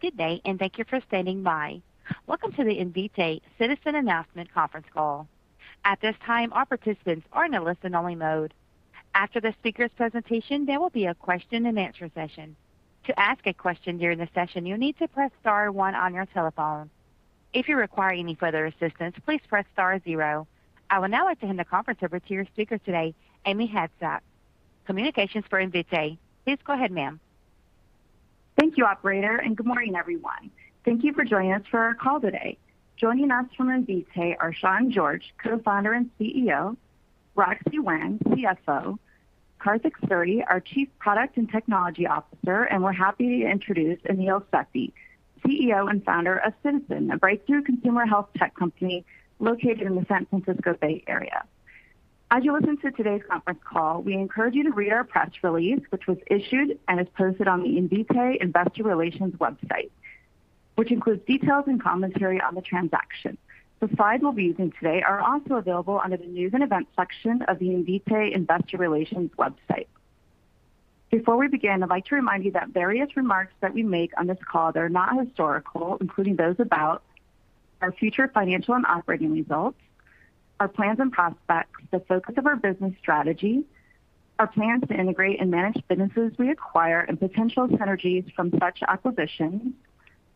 Good day. Thank you for standing by. Welcome to the Invitae Ciitizen Announcement Conference Call. At this time, all participants are in a listen-only mode. After the speakers' presentation, there will be a question-and-answer session. To ask a question during the session, you need to press star one on your telephone. If you require any further assistance, please press star zero. I would now like to hand the conference over to your speaker today, Amy Hadsock, communications for Invitae. Please go ahead, ma'am. Thank you, operator, and good morning, everyone. Thank you for joining us for our call today. Joining us from Invitae are Sean George, co-founder and CEO, Roxi Wen, CFO, Karthik Suri, our Chief Product and Technology Officer, and we're happy to introduce Anil Sethi, CEO and Founder of Ciitizen, a breakthrough consumer health tech company located in the San Francisco Bay Area. As you listen to today's conference call, we encourage you to read our press release, which was issued and is posted on the Invitae Investor Relations website, which includes details and commentary on the transaction. The slides we'll be using today are also available under the News & Events section of the Invitae Investor Relations website. Before we begin, I'd like to remind you that various remarks that we make on this call that are not historical, including those about our future financial and operating results, our plans and prospects, the focus of our business strategy, our plans to integrate and manage businesses we acquire, and potential synergies from such acquisitions,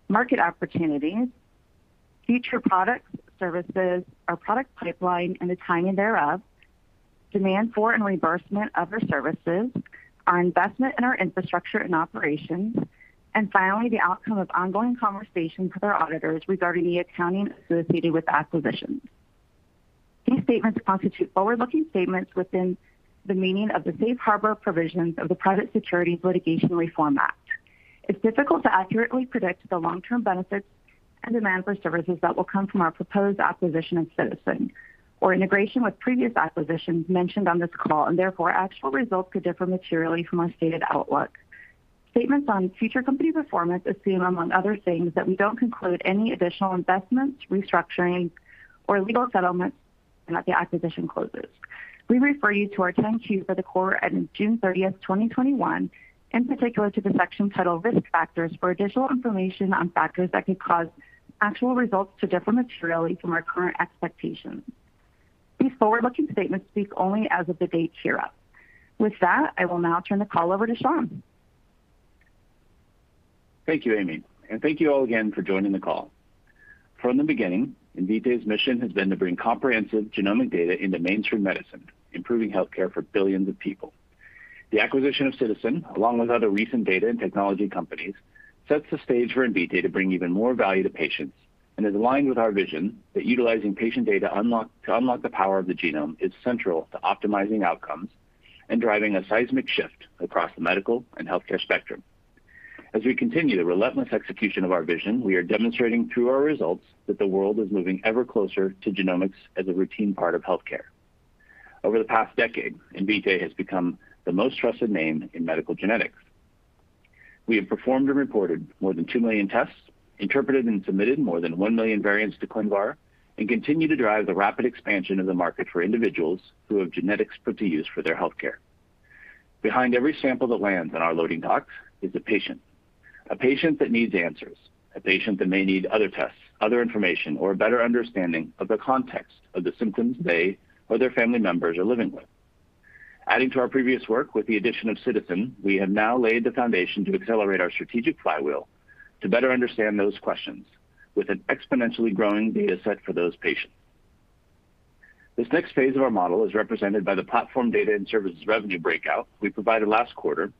market opportunities, future products, services, our product pipeline, and the timing thereof, demand for and reimbursement of our services, our investment in our infrastructure and operations, and finally, the outcome of ongoing conversations with our auditors regarding the accounting associated with acquisitions. These statements constitute forward-looking statements within the meaning of the safe harbor provisions of the Private Securities Litigation Reform Act. It's difficult to accurately predict the long-term benefits and demand for services that will come from our proposed acquisition of Ciitizen or integration with previous acquisitions mentioned on this call. Therefore, actual results could differ materially from our stated outlook. Statements on future company performance assume, among other things, that we don't conclude any additional investments, restructuring, or legal settlements when the acquisition closes. We refer you to our 10-Q for the quarter ending June 30th, 2021, in particular to the section titled Risk Factors, for additional information on factors that could cause actual results to differ materially from our current expectations. These forward-looking statements speak only as of the date hereof. With that, I will now turn the call over to Sean. Thank you, Amy, and thank you all again for joining the call. From the beginning, Invitae's mission has been to bring comprehensive genomic data into mainstream medicine, improving healthcare for billions of people. The acquisition of Ciitizen, along with other recent data and technology companies, sets the stage for Invitae to bring even more value to patients and is aligned with our vision that utilizing patient data to unlock the power of the genome is central to optimizing outcomes and driving a seismic shift across the medical and healthcare spectrum. As we continue the relentless execution of our vision, we are demonstrating through our results that the world is moving ever closer to genomics as a routine part of healthcare. Over the past decade, Invitae has become the most trusted name in medical genetics. We have performed and reported more than 2 million tests, interpreted and submitted more than 1 million variants to ClinVar, and continue to drive the rapid expansion of the market for individuals who have genetics put to use for their healthcare. Behind every sample that lands on our loading docks is a patient, a patient that needs answers, a patient that may need other tests, other information, or a better understanding of the context of the symptoms they or their family members are living with. Adding to our previous work, with the addition of Ciitizen, we have now laid the foundation to accelerate our strategic flywheel to better understand those questions with an exponentially growing data set for those patients. This next phase of our model is represented by the platform data and services revenue breakout we provided last quarter.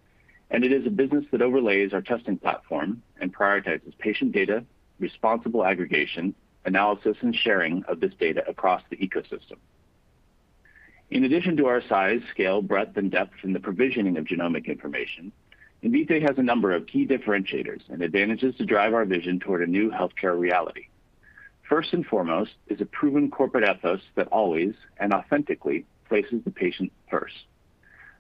It is a business that overlays our testing platform and prioritizes patient data, responsible aggregation, analysis, and sharing of this data across the ecosystem. In addition to our size, scale, breadth, and depth in the provisioning of genomic information, Invitae has a number of key differentiators and advantages to drive our vision toward a new healthcare reality. First and foremost is a proven corporate ethos that always and authentically places the patient first.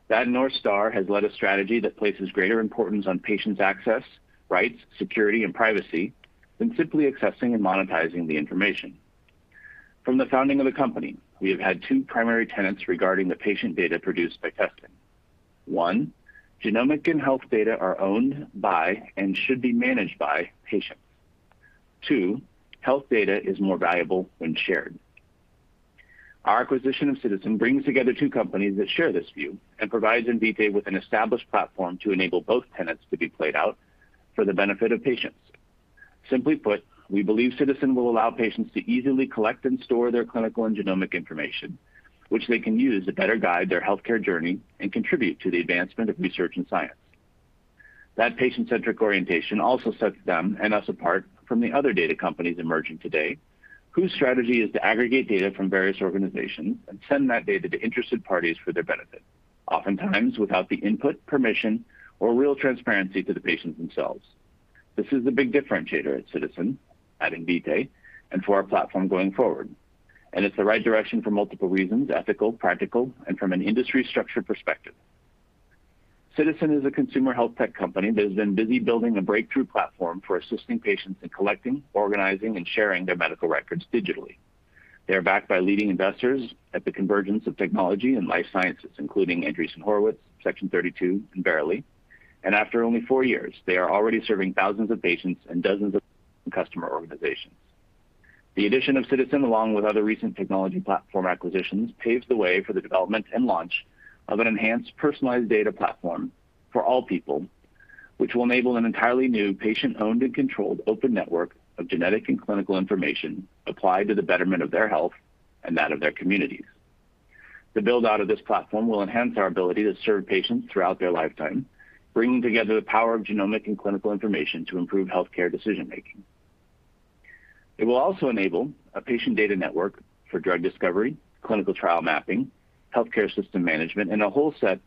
That North Star has led a strategy that places greater importance on patients' access, rights, security, and privacy than simply accessing and monetizing the information. From the founding of the company, we have had two primary tenets regarding the patient data produced by testing. One, genomic and health data are owned by and should be managed by patients. Two, health data is more valuable when shared. Our acquisition of Ciitizen brings together two companies that share this view and provides Invitae with an established platform to enable both tenets to be played out for the benefit of patients. Simply put, we believe Ciitizen will allow patients to easily collect and store their clinical and genomic information, which they can use to better guide their healthcare journey and contribute to the advancement of research and science. That patient-centric orientation also sets them and us apart from the other data companies emerging today, whose strategy is to aggregate data from various organizations and send that data to interested parties for their benefit, oftentimes without the input, permission, or real transparency to the patients themselves. This is a big differentiator at Ciitizen and Invitae and for our platform going forward, and it's the right direction for multiple reasons: ethical, practical, and from an industry structure perspective. Ciitizen is a consumer health tech company that has been busy building a breakthrough platform for assisting patients in collecting, organizing, and sharing their medical records digitally. They are backed by leading investors at the convergence of technology and life sciences, including Andreessen Horowitz, Section 32, and Verily. After only four years, they are already serving thousands of patients and dozens of customer organizations. The addition of Ciitizen, along with other recent technology platform acquisitions, paves the way for the development and launch of an enhanced personalized data platform for all people, which will enable an entirely new patient-owned and controlled open network of genetic and clinical information applied to the betterment of their health and that of their communities. The build-out of this platform will enhance our ability to serve patients throughout their lifetime, bringing together the power of genomic and clinical information to improve healthcare decision-making. It will also enable a patient data network for drug discovery, clinical trial mapping, healthcare system management, and a whole set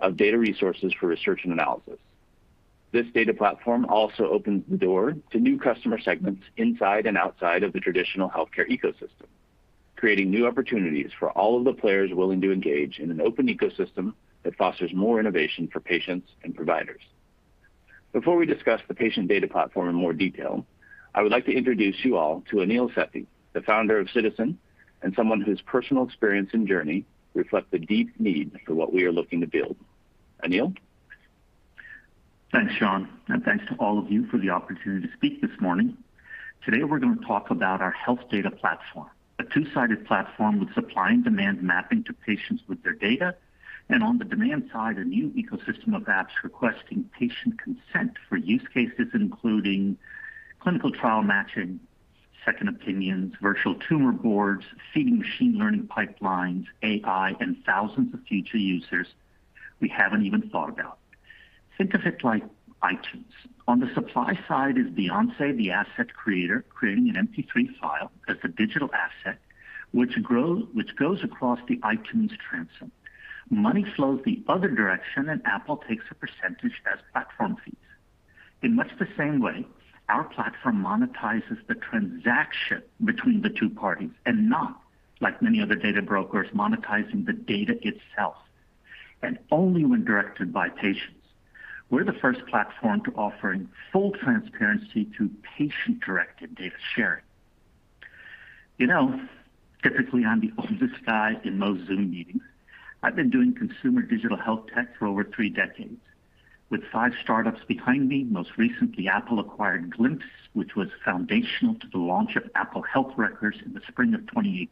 of data resources for research and analysis. This data platform also opens the door to new customer segments inside and outside of the traditional healthcare ecosystem, creating new opportunities for all of the players willing to engage in an open ecosystem that fosters more innovation for patients and providers. Before we discuss the patient data platform in more detail, I would like to introduce you all to Anil Sethi, the founder of Ciitizen and someone whose personal experience and journey reflect the deep need for what we are looking to build. Anil? Thanks, Sean, and thanks to all of you for the opportunity to speak this morning. Today, we're going to talk about our health data platform, a two-sided platform with supply and demand mapping to patients with their data, and on the demand side, a new ecosystem of apps requesting patient consent for use cases, including clinical trial matching, second opinions, virtual tumor boards, feeding machine learning pipelines, AI, and thousands of future users we haven't even thought about. Think of it like iTunes. On the supply side is Beyoncé, the asset creator, creating an MP3 file as the digital asset, which goes across the iTunes transom. Money flows the other direction, and Apple takes a percentage as platform fees. In much the same way, our platform monetizes the transaction between the two parties and not, like many other data brokers, monetizing the data itself, and only when directed by patients. We're the first platform to offering full transparency to patient-directed data sharing. Typically, I'm the oldest guy in most Zoom meetings. I've been doing consumer digital health tech for over three decades. With five startups behind me, most recently, Apple-acquired Gliimpse, which was foundational to the launch of Apple Health Records in the spring of 2018.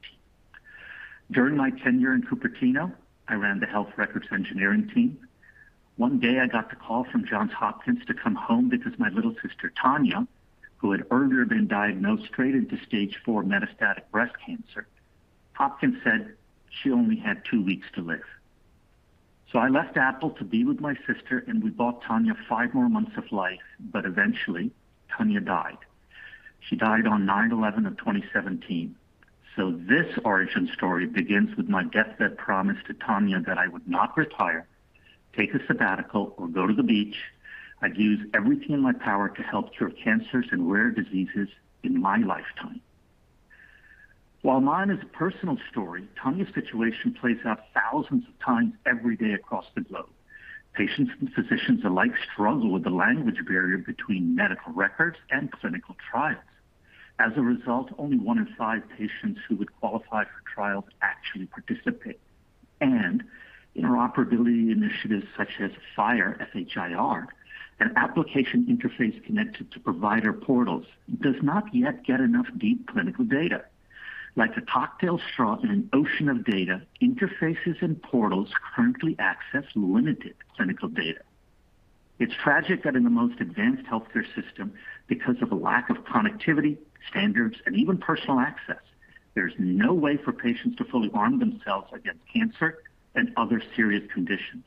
During my tenure in Cupertino, I ran the Health Records engineering team. One day, I got the call from Johns Hopkins to come home because my little sister, Tanya, who had earlier been diagnosed straight into stage four metastatic breast cancer, Johns Hopkins said she only had two weeks to live. I left Apple to be with my sister, and we bought Tanya five more months of life, but eventually, Tanya died. She died on 9/11 of 2017. This origin story begins with my deathbed promise to Tanya that I would not retire, take a sabbatical, or go to the beach. I'd use everything in my power to help cure cancers and rare diseases in my lifetime. While mine is a personal story, Tanya's situation plays out thousands of times every day across the globe. Patients and physicians alike struggle with the language barrier between medical records and clinical trials. As a result, only one in five patients who would qualify for trials actually participate. Interoperability initiatives such as FHIR, F-H-I-R, an application interface connected to provider portals, does not yet get enough deep clinical data. Like a cocktail straw in an ocean of data, interfaces and portals currently access limited clinical data. It's tragic that in the most advanced healthcare system, because of a lack of connectivity, standards, and even personal access, there's no way for patients to fully arm themselves against cancer and other serious conditions.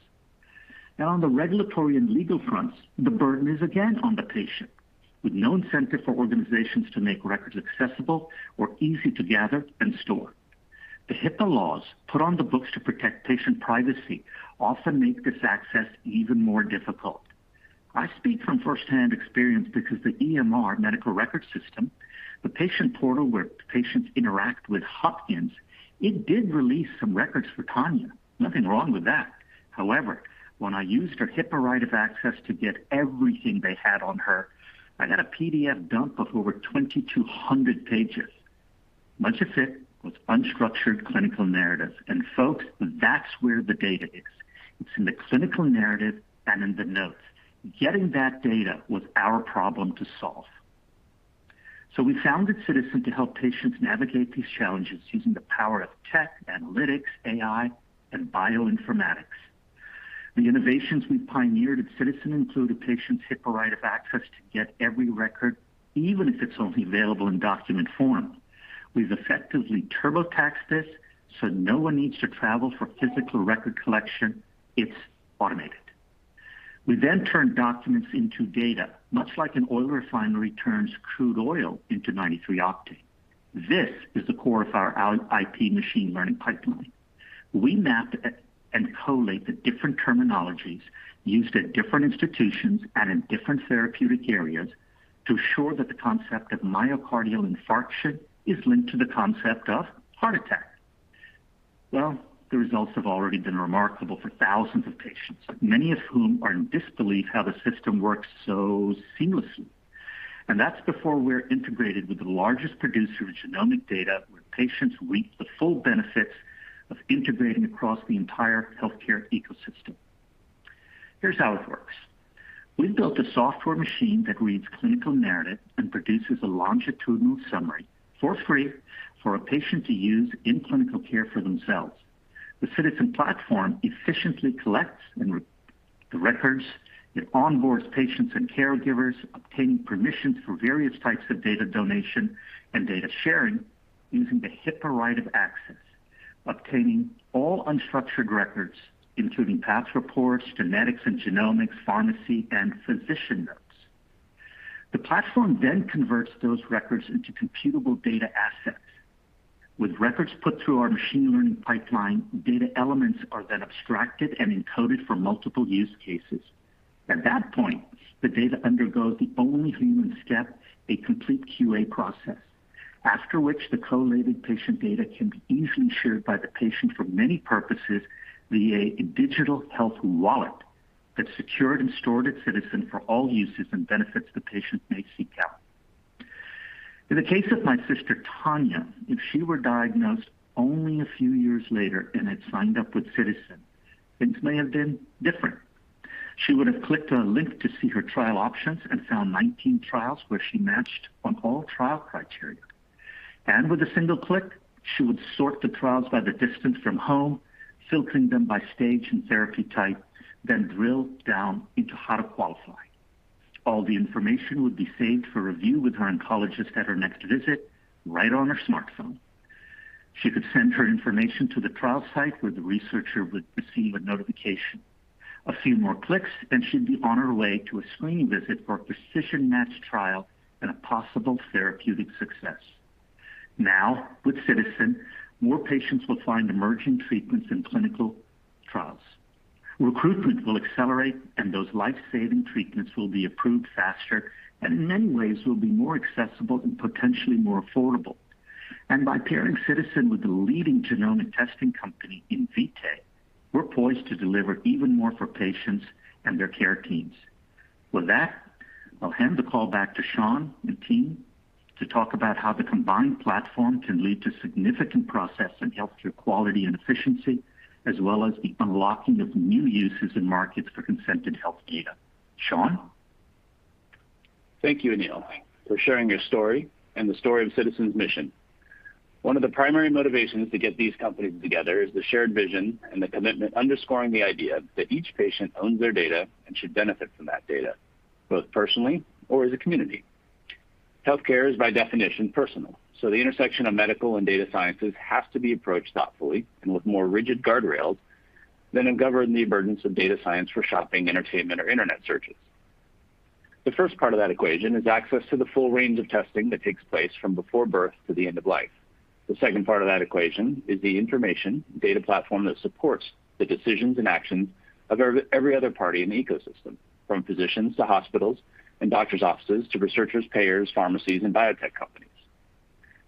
On the regulatory and legal fronts, the burden is again on the patient. With no incentive for organizations to make records accessible or easy to gather and store. The HIPAA laws put on the books to protect patient privacy often make this access even more difficult. I speak from firsthand experience because the EMR medical record system, the patient portal where patients interact with Hopkins, it did release some records for Tanya. Nothing wrong with that. When I used her HIPAA right of access to get everything they had on her, I got a PDF dump of over 2,200 pages. Much of it was unstructured clinical narratives. Folks, that's where the data is. It's in the clinical narrative and in the notes. Getting that data was our problem to solve. We founded Ciitizen to help patients navigate these challenges using the power of tech, analytics, AI, and bioinformatics. The innovations we pioneered at Ciitizen include a patient's HIPAA right of access to get every record, even if it's only available in document form. We've effectively TurboTax this, no one needs to travel for physical record collection. It's automated. We turn documents into data, much like an oil refinery turns crude oil into 93 octane. This is the core of our IP machine learning pipeline. We map and collate the different terminologies used at different institutions and in different therapeutic areas to ensure that the concept of myocardial infarction is linked to the concept of heart attack. Well, the results have already been remarkable for thousands of patients, many of whom are in disbelief how the system works so seamlessly. That's before we're integrated with the largest producer of genomic data, where patients reap the full benefits of integrating across the entire healthcare ecosystem. Here's how it works. We've built a software machine that reads clinical narratives and produces a longitudinal summary for free for a patient to use in clinical care for themselves. The Ciitizen platform efficiently collects the records. It onboards patients and caregivers, obtaining permissions for various types of data donation and data sharing using the HIPAA right of access, obtaining all unstructured records, including path reports, genetics and genomics, pharmacy, and physician notes. The platform converts those records into computable data assets. With records put through our machine learning pipeline, data elements are then abstracted and encoded for multiple use cases. At that point, the data undergoes the only human step, a complete QA process, after which the collated patient data can be easily shared by the patient for many purposes via a digital health wallet that's secured and stored at Ciitizen for all uses and benefits the patient may seek out. In the case of my sister, Tanya, if she were diagnosed only a few years later and had signed up with Ciitizen, things may have been different. She would have clicked on a link to see her trial options and found 19 trials where she matched on all trial criteria. With one click, she would sort the trials by the distance from home, filtering them by stage and therapy type, then drill down into how to qualify. All the information would be saved for review with her oncologist at her next visit, right on her smartphone. She could send her information to the trial site where the researcher would receive a notification. A few more clicks and she'd be on her way to a screening visit for a precision match trial and a possible therapeutic success. Now, with Ciitizen, more patients will find emerging treatments in clinical trials. Recruitment will accelerate. Those life-saving treatments will be approved faster, and in many ways, will be more accessible and potentially more affordable. By pairing Ciitizen with the leading genomic testing company, Invitae, we're poised to deliver even more for patients and their care teams. With that, I'll hand the call back to Sean and team to talk about how the combined platform can lead to significant progress in healthcare quality and efficiency, as well as the unlocking of new uses and markets for consented health data. Sean? Thank you, Anil, for sharing your story and the story of Ciitizen's mission. One of the primary motivations to get these companies together is the shared vision and the commitment underscoring the idea that each patient owns their data and should benefit from that data, both personally or as a community. Healthcare is by definition personal, so the intersection of medical and data sciences has to be approached thoughtfully and with more rigid guardrails than have governed the emergence of data science for shopping, entertainment, or internet searches. The first part of that equation is access to the full range of testing that takes place from before birth to the end of life. The second part of that equation is the information data platform that supports the decisions and actions of every other party in the ecosystem, from physicians to hospitals and doctor's offices to researchers, payers, pharmacies, and biotech companies.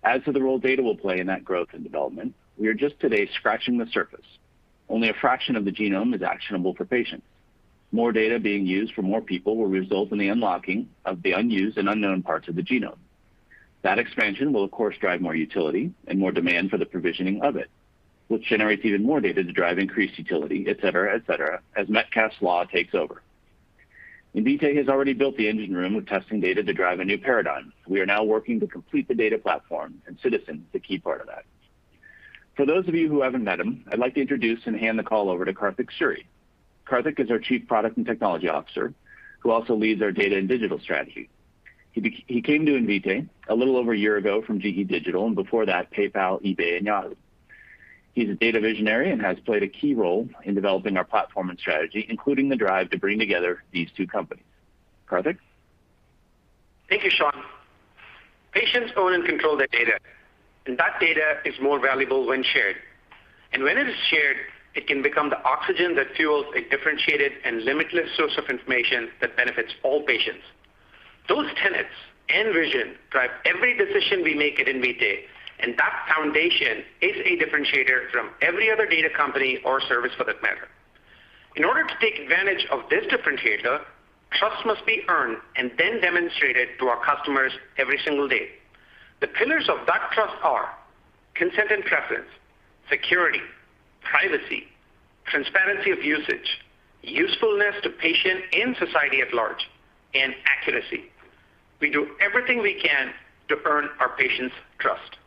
As to the role data will play in that growth and development, we are just today scratching the surface. Only a fraction of the genome is actionable for patients. More data being used for more people will result in the unlocking of the unused and unknown parts of the genome. That expansion will, of course, drive more utility and more demand for the provisioning of it, which generates even more data to drive increased utility, et cetera, as Metcalfe's law takes over. Invitae has already built the engine room with testing data to drive a new paradigm. We are now working to complete the data platform, and Ciitizen is a key part of that. For those of you who haven't met him, I'd like to introduce and hand the call over to Karthik Suri. Karthik is our Chief Product and Technology Officer, who also leads our data and digital strategy. He came to Invitae a little over a year ago from GE Digital, and before that, PayPal, eBay, and Yahoo. He's a data visionary and has played a key role in developing our platform and strategy, including the drive to bring together these two companies. Karthik? Thank you, Sean. Patients own and control their data, and that data is more valuable when shared. When it is shared, it can become the oxygen that fuels a differentiated and limitless source of information that benefits all patients. Those tenets and vision drive every decision we make at Invitae, and that foundation is a differentiator from every other data company or service for that matter. In order to take advantage of this differentiator, trust must be earned and then demonstrated to our customers every single day. The pillars of that trust are consent and preference, security, privacy, transparency of usage, usefulness to patient and society at large, and accuracy. We do everything we can to earn our patients' trust.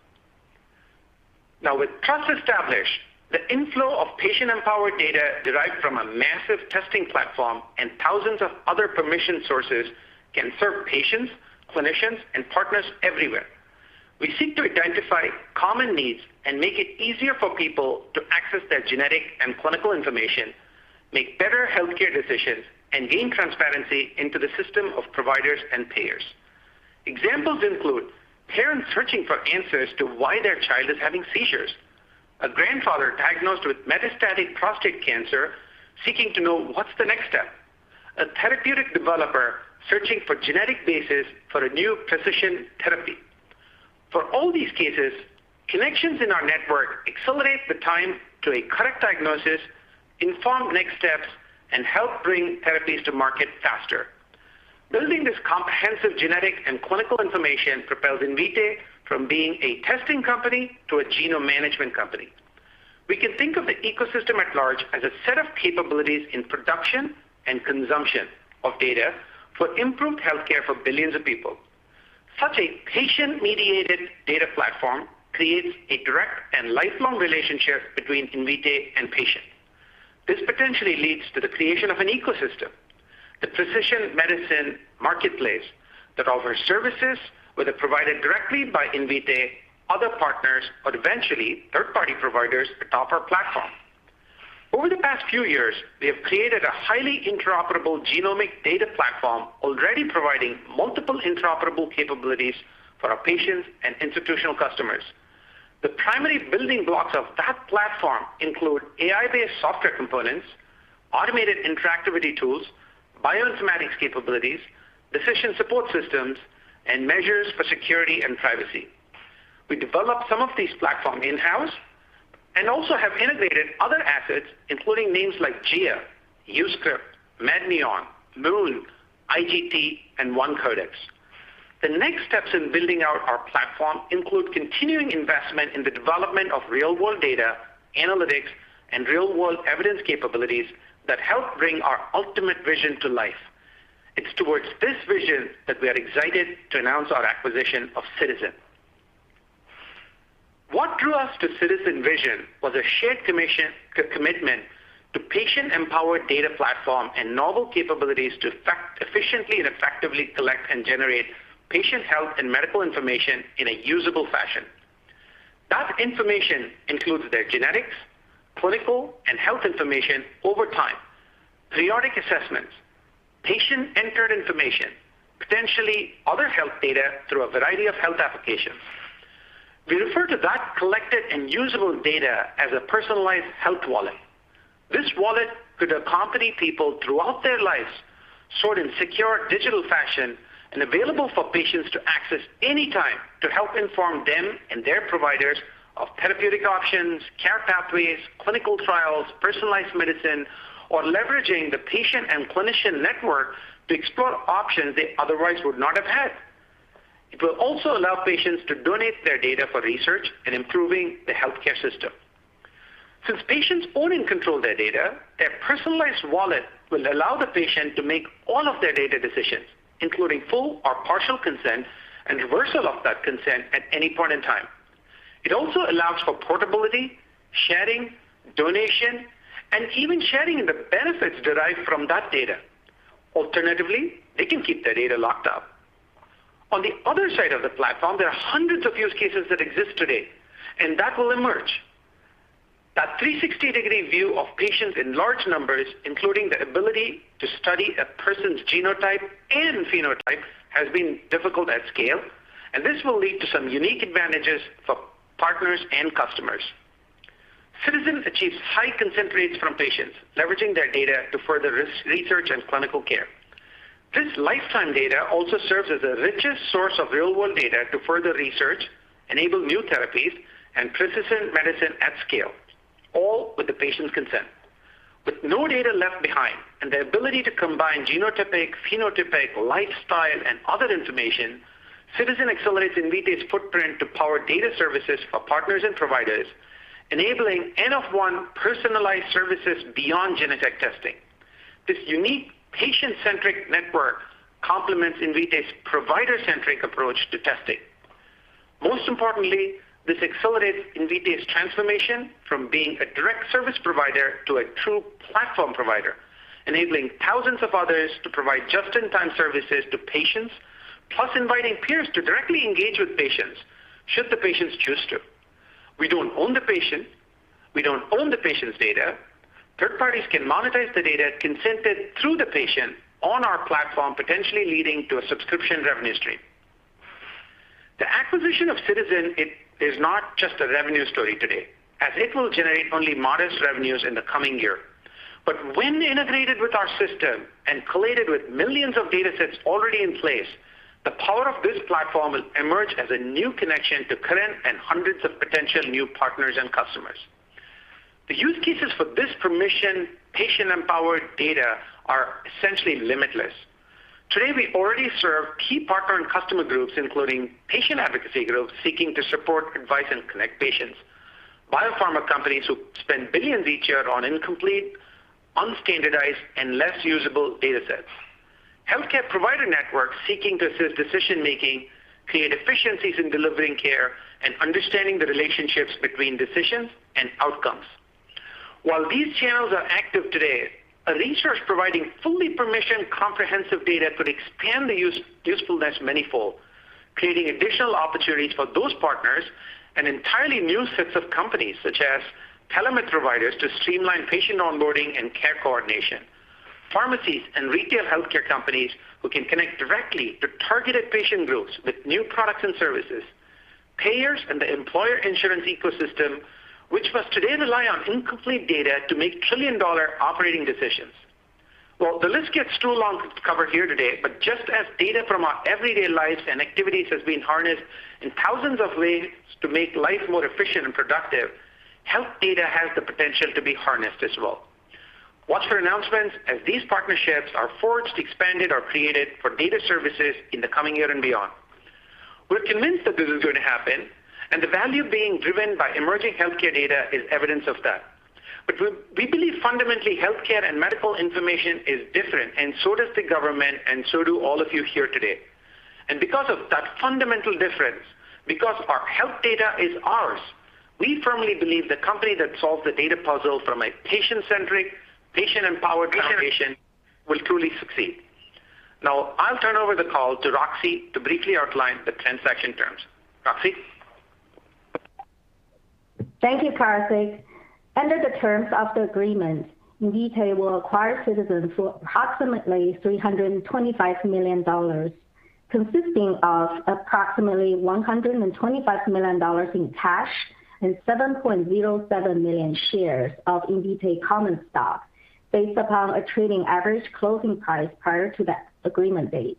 Now, with trust established, the inflow of patient-empowered data derived from a massive testing platform and thousands of other permission sources can serve patients, clinicians, and partners everywhere. We seek to identify common needs and make it easier for people to access their genetic and clinical information, make better healthcare decisions, and gain transparency into the system of providers and payers. Examples include parents searching for answers to why their child is having seizures, a grandfather diagnosed with metastatic prostate cancer seeking to know what's the next step. A therapeutic developer searching for genetic basis for a new precision therapy. For all these cases, connections in our network accelerate the time to a correct diagnosis, inform next steps, and help bring therapies to market faster. Building this comprehensive genetic and clinical information propels Invitae from being a testing company to a genome management company. We can think of the ecosystem at large as a set of capabilities in production and consumption of data for improved healthcare for billions of people. Such a patient-mediated data platform creates a direct and lifelong relationship between Invitae and patient. This potentially leads to the creation of an ecosystem, the precision medicine marketplace, that offers services, whether provided directly by Invitae, other partners, or eventually third-party providers atop our platform. Over the past few years, we have created a highly interoperable genomic data platform already providing multiple interoperable capabilities for our patients and institutional customers. The primary building blocks of that platform include AI-based software components, automated interactivity tools, bioinformatics capabilities, decision support systems, and measures for security and privacy. We developed some of these platform in-house and also have integrated other assets, including names like Gia, YouScript, Medneon, Moon, IGT, and One Codex. The next steps in building out our platform include continuing investment in the development of real-world data, analytics, and real-world evidence capabilities that help bring our ultimate vision to life. It's towards this vision that we are excited to announce our acquisition of Ciitizen. What drew us to Ciitizen Vision was a shared commitment to patient-empowered data platform and novel capabilities to efficiently and effectively collect and generate patient health and medical information in a usable fashion. That information includes their genetics, clinical, and health information over time, periodic assessments, patient-entered information, potentially other health data through a variety of health applications. We refer to that collected and usable data as a personalized health wallet. This wallet could accompany people throughout their lives, stored in secure digital fashion and available for patients to access any time to help inform them and their providers of therapeutic options, care pathways, clinical trials, personalized medicine, or leveraging the patient and clinician network to explore options they otherwise would not have had. It will also allow patients to donate their data for research and improving the healthcare system. Since patients own and control their data, their personalized wallet will allow the patient to make all of their data decisions, including full or partial consent and reversal of that consent at any point in time. It also allows for portability, sharing, donation, and even sharing in the benefits derived from that data. Alternatively, they can keep their data locked up. On the other side of the platform, there are hundreds of use cases that exist today, and that will emerge. That 360-degree view of patients in large numbers, including the ability to study a person's genotype and phenotype, has been difficult at scale, and this will lead to some unique advantages for partners and customers. Ciitizen achieves high consent rates from patients, leveraging their data to further research and clinical care. This lifetime data also serves as the richest source of real-world data to further research, enable new therapies, and precision medicine at scale, all with the patient's consent. With no data left behind and the ability to combine genotypic, phenotypic, lifestyle, and other information, Ciitizen accelerates Invitae's footprint to power data services for partners and providers, enabling N of one personalized services beyond genetic testing. This unique patient-centric network complements Invitae's provider-centric approach to testing. Most importantly, this accelerates Invitae's transformation from being a direct service provider to a true platform provider, enabling thousands of others to provide just-in-time services to patients, plus inviting peers to directly engage with patients should the patients choose to. We don't own the patient. We don't own the patient's data. Third parties can monetize the data consented through the patient on our platform, potentially leading to a subscription revenue stream. The acquisition of Ciitizen is not just a revenue story today, as it will generate only modest revenues in the coming year. When integrated with our system and collated with millions of data sets already in place, the power of this platform will emerge as a new connection to current and hundreds of potential new partners and customers. The use cases for this permission, patient-empowered data are essentially limitless. Today, we already serve key partner and customer groups, including patient advocacy groups seeking to support, advise, and connect patients, biopharma companies who spend $ billions each year on incomplete, unstandardized, and less usable data sets, healthcare provider networks seeking to assist decision-making, create efficiencies in delivering care, and understanding the relationships between decisions and outcomes. While these channels are active today, a resource providing fully permissioned comprehensive data could expand the usefulness manyfold, creating additional opportunities for those partners and entirely new sets of companies, such as telemed providers to streamline patient onboarding and care coordination, pharmacies and retail healthcare companies who can connect directly to targeted patient groups with new products and services. Payers and the employer insurance ecosystem, which must today rely on incomplete data to make trillion-dollar operating decisions. Well, the list gets too long to cover here today, but just as data from our everyday lives and activities has been harnessed in thousands of ways to make life more efficient and productive, health data has the potential to be harnessed as well. Watch for announcements as these partnerships are forged, expanded, or created for data services in the coming year and beyond. We're convinced that this is going to happen, and the value being driven by emerging healthcare data is evidence of that. We believe fundamentally healthcare and medical information is different, and so does the government, and so do all of you here today. Because of that fundamental difference, because our health data is ours, we firmly believe the company that solves the data puzzle from a patient-centric, patient-empowered foundation will truly succeed. Now, I'll turn over the call to Roxi to briefly outline the transaction terms. Roxi? Thank you, Karthik. Under the terms of the agreement, Invitae will acquire Ciitizen for approximately $325 million, consisting of approximately $125 million in cash and 7.07 million shares of Invitae common stock based upon a trading average closing price prior to the agreement date.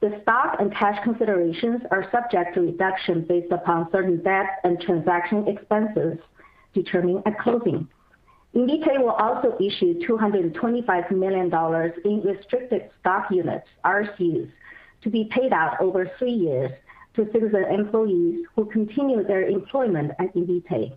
The stock and cash considerations are subject to reduction based upon certain debt and transaction expenses determined at closing. Invitae will also issue $225 million in restricted stock units, RSU, to be paid out over three years to Ciitizen employees who continue their employment at Invitae.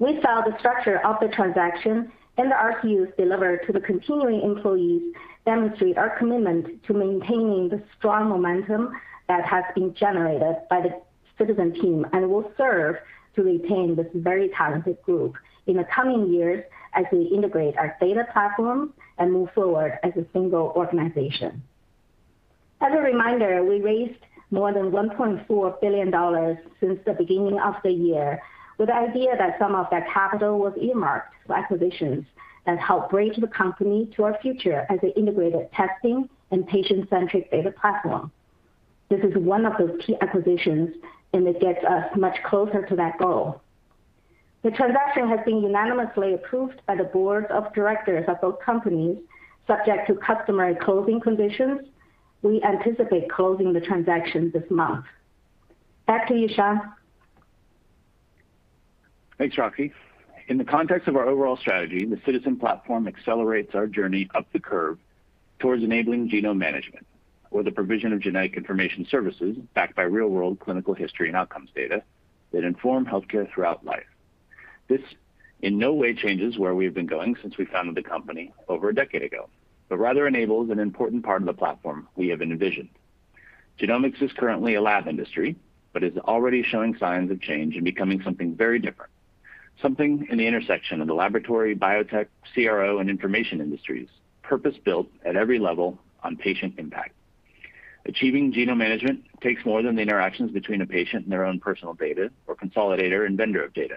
We feel the structure of the transaction and the RSU delivered to the continuing employees demonstrate our commitment to maintaining the strong momentum that has been generated by the Ciitizen team and will serve to retain this very talented group in the coming years as we integrate our data platform and move forward as a single organization. As a reminder, we raised more than $1.4 billion since the beginning of the year with the idea that some of that capital was earmarked for acquisitions that help bridge the company to our future as an integrated testing and patient-centric data platform. This is one of those key acquisitions. It gets us much closer to that goal. The transaction has been unanimously approved by the boards of directors of both companies, subject to customary closing conditions. We anticipate closing the transaction this month. Back to you, Sean. Thanks, Roxi. In the context of our overall strategy, the Ciitizen platform accelerates our journey up the curve towards enabling genome management or the provision of genetic information services backed by real-world clinical history and outcomes data that inform healthcare throughout life. This in no way changes where we've been going since we founded the company over a decade ago, but rather enables an important part of the platform we have envisioned. Genomics is currently a lab industry, but is already showing signs of change and becoming something very different. Something in the intersection of the laboratory, biotech, CRO, and information industries, purpose-built at every level on patient impact. Achieving genome management takes more than the interactions between a patient and their own personal data or consolidator and vendor of data.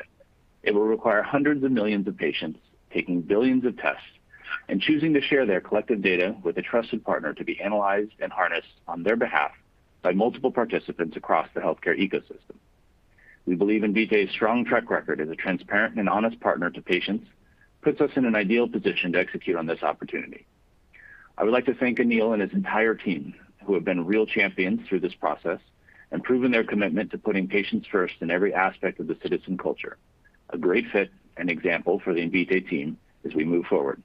It will require hundreds of millions of patients taking billions of tests and choosing to share their collected data with a trusted partner to be analyzed and harnessed on their behalf by multiple participants across the healthcare ecosystem. We believe Invitae's strong track record as a transparent and honest partner to patients puts us in an ideal position to execute on this opportunity. I would like to thank Anil and his entire team, who have been real champions through this process and proven their commitment to putting patients first in every aspect of the Ciitizen culture. A great fit and example for the Invitae team as we move forward.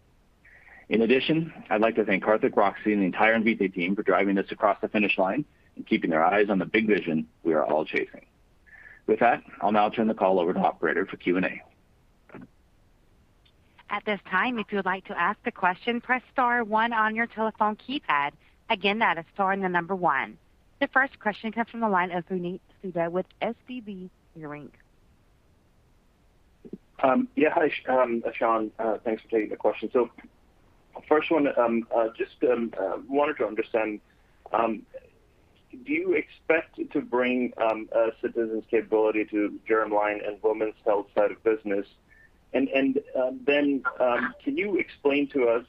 In addition, I'd like to thank Karthik, Roxi, and the entire Invitae team for driving us across the finish line and keeping their eyes on the big vision we are all chasing. I'll now turn the call over to operator for Q&A. At this time, if you'd like to ask a question, press star one on your telephone keypad. Again, that is star and the number one. The first question comes from the line of Puneet Souda with SVB Leerink. Yeah. Hi, Sean. Thanks for taking the question. First one, just wanted to understand, do you expect to bring Ciitizen's capability to germline and women's health side of business? Can you explain to us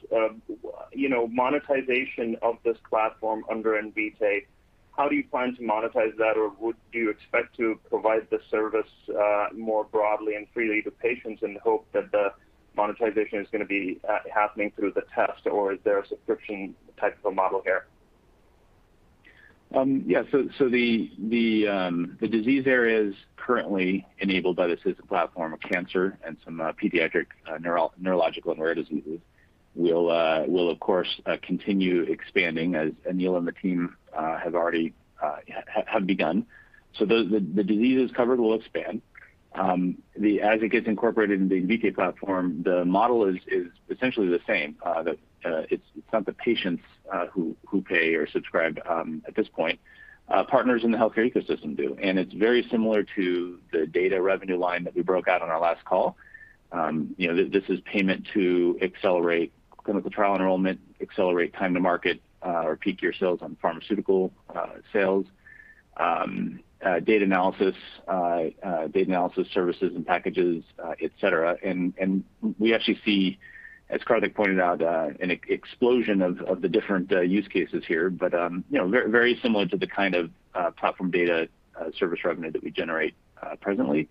monetization of this platform under Invitae? How do you plan to monetize that, or would you expect to provide the service more broadly and freely to patients in the hope that the monetization is going to be happening through the test, or is there a subscription type of a model here? Yeah. The disease areas currently enabled by the Ciitizen platform are cancer and some pediatric neurological and rare diseases. We'll, of course, continue expanding, as Anil and the team have begun. The diseases covered will expand. As it gets incorporated in the Invitae platform, the model is essentially the same, that it's not the patients who pay or subscribe at this point, partners in the healthcare ecosystem do. It's very similar to the data revenue line that we broke out on our last call. This is payment to accelerate clinical trial enrollment, accelerate time to market, or peak year sales on pharmaceutical sales, data analysis services and packages, et cetera. We actually see, as Karthik pointed out, an explosion of the different use cases here, but very similar to the kind of platform data service revenue that we generate presently.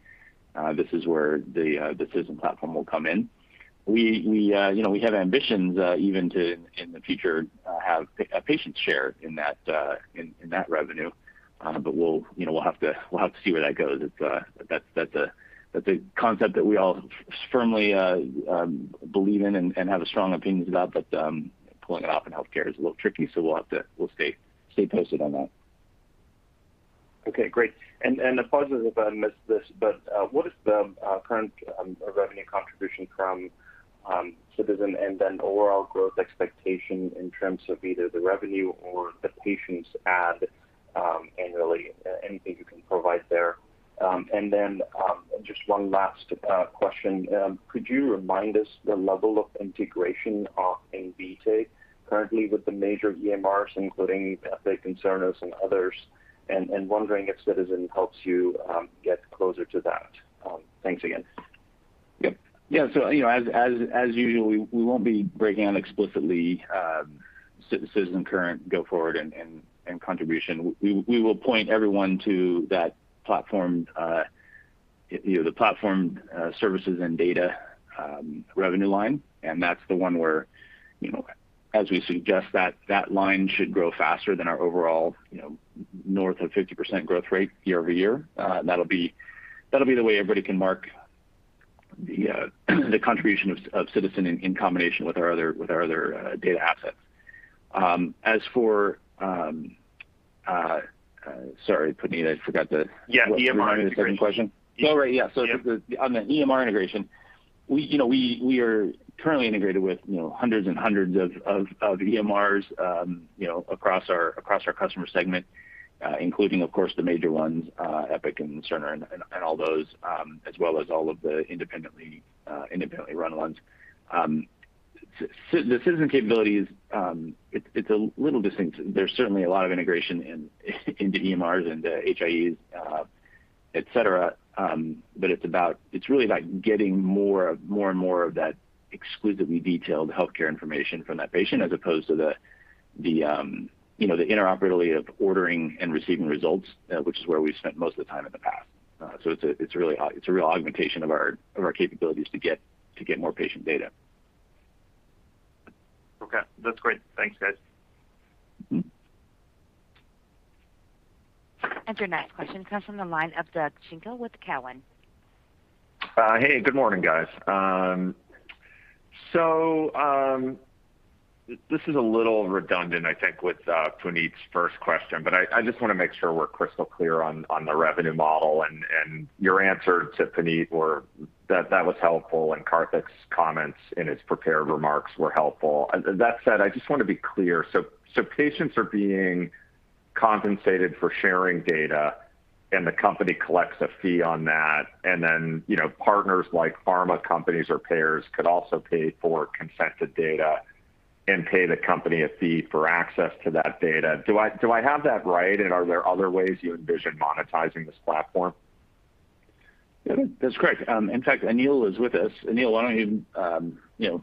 This is where the Ciitizen platform will come in. We have ambitions even to, in the future, have a patient share in that revenue. We'll have to see where that goes. That's a concept that we all firmly believe in and have strong opinions about, but pulling it off in healthcare is a little tricky, so we'll have to stay posted on that. Okay, great. Apologies if I missed this, but what is the current revenue contribution from Ciitizen, and then overall growth expectation in terms of either the revenue or the patients add annually? Anything you can provide there. Just one last question. Could you remind us the level of integration of Invitae currently with the major EMRs, including Epic, and Cerner, and others, wondering if Ciitizen helps you get closer to that? Thanks again. Yep. Yeah, as usual, we won't be breaking out explicitly Ciitizen current go forward and contribution. We will point everyone to the platform services and data revenue line, and that's the one where, as we suggest, that line should grow faster than our overall north of 50% growth rate year-over-year. That'll be the way everybody can mark the contribution of Ciitizen in combination with our other data assets. As for, sorry, I forgot the- Yeah, EMR integration.... second question. Oh, right, yeah. Yeah. On the EMR integration, we are currently integrated with hundreds and hundreds of EMRs across our customer segment, including, of course, the major ones, Epic and Cerner, and all those, as well as all of the independently run ones. The Ciitizen capabilities, it's a little distinct. There's certainly a lot of integration into EMRs and HIEs, et cetera. It's really about getting more and more of that exclusively detailed healthcare information from that patient as opposed to the interoperability of ordering and receiving results, which is where we've spent most of the time in the past. It's a real augmentation of our capabilities to get more patient data. Okay. That's great. Thanks, guys. Your next question comes from the line of Doug Schenkel with Cowen. Hey, good morning, guys. This is a little redundant, I think, with Puneet's first question, but I just want to make sure we're crystal clear on the revenue model and your answer to Puneet, that was helpful, and Karthik's comments in his prepared remarks were helpful. That said, I just want to be clear. Patients are being compensated for sharing data, and the company collects a fee on that, and then partners like pharma companies or payers could also pay for consented data and pay the company a fee for access to that data. Do I have that right? Are there other ways you envision monetizing this platform? That's correct. In fact, Anil is with us. Anil,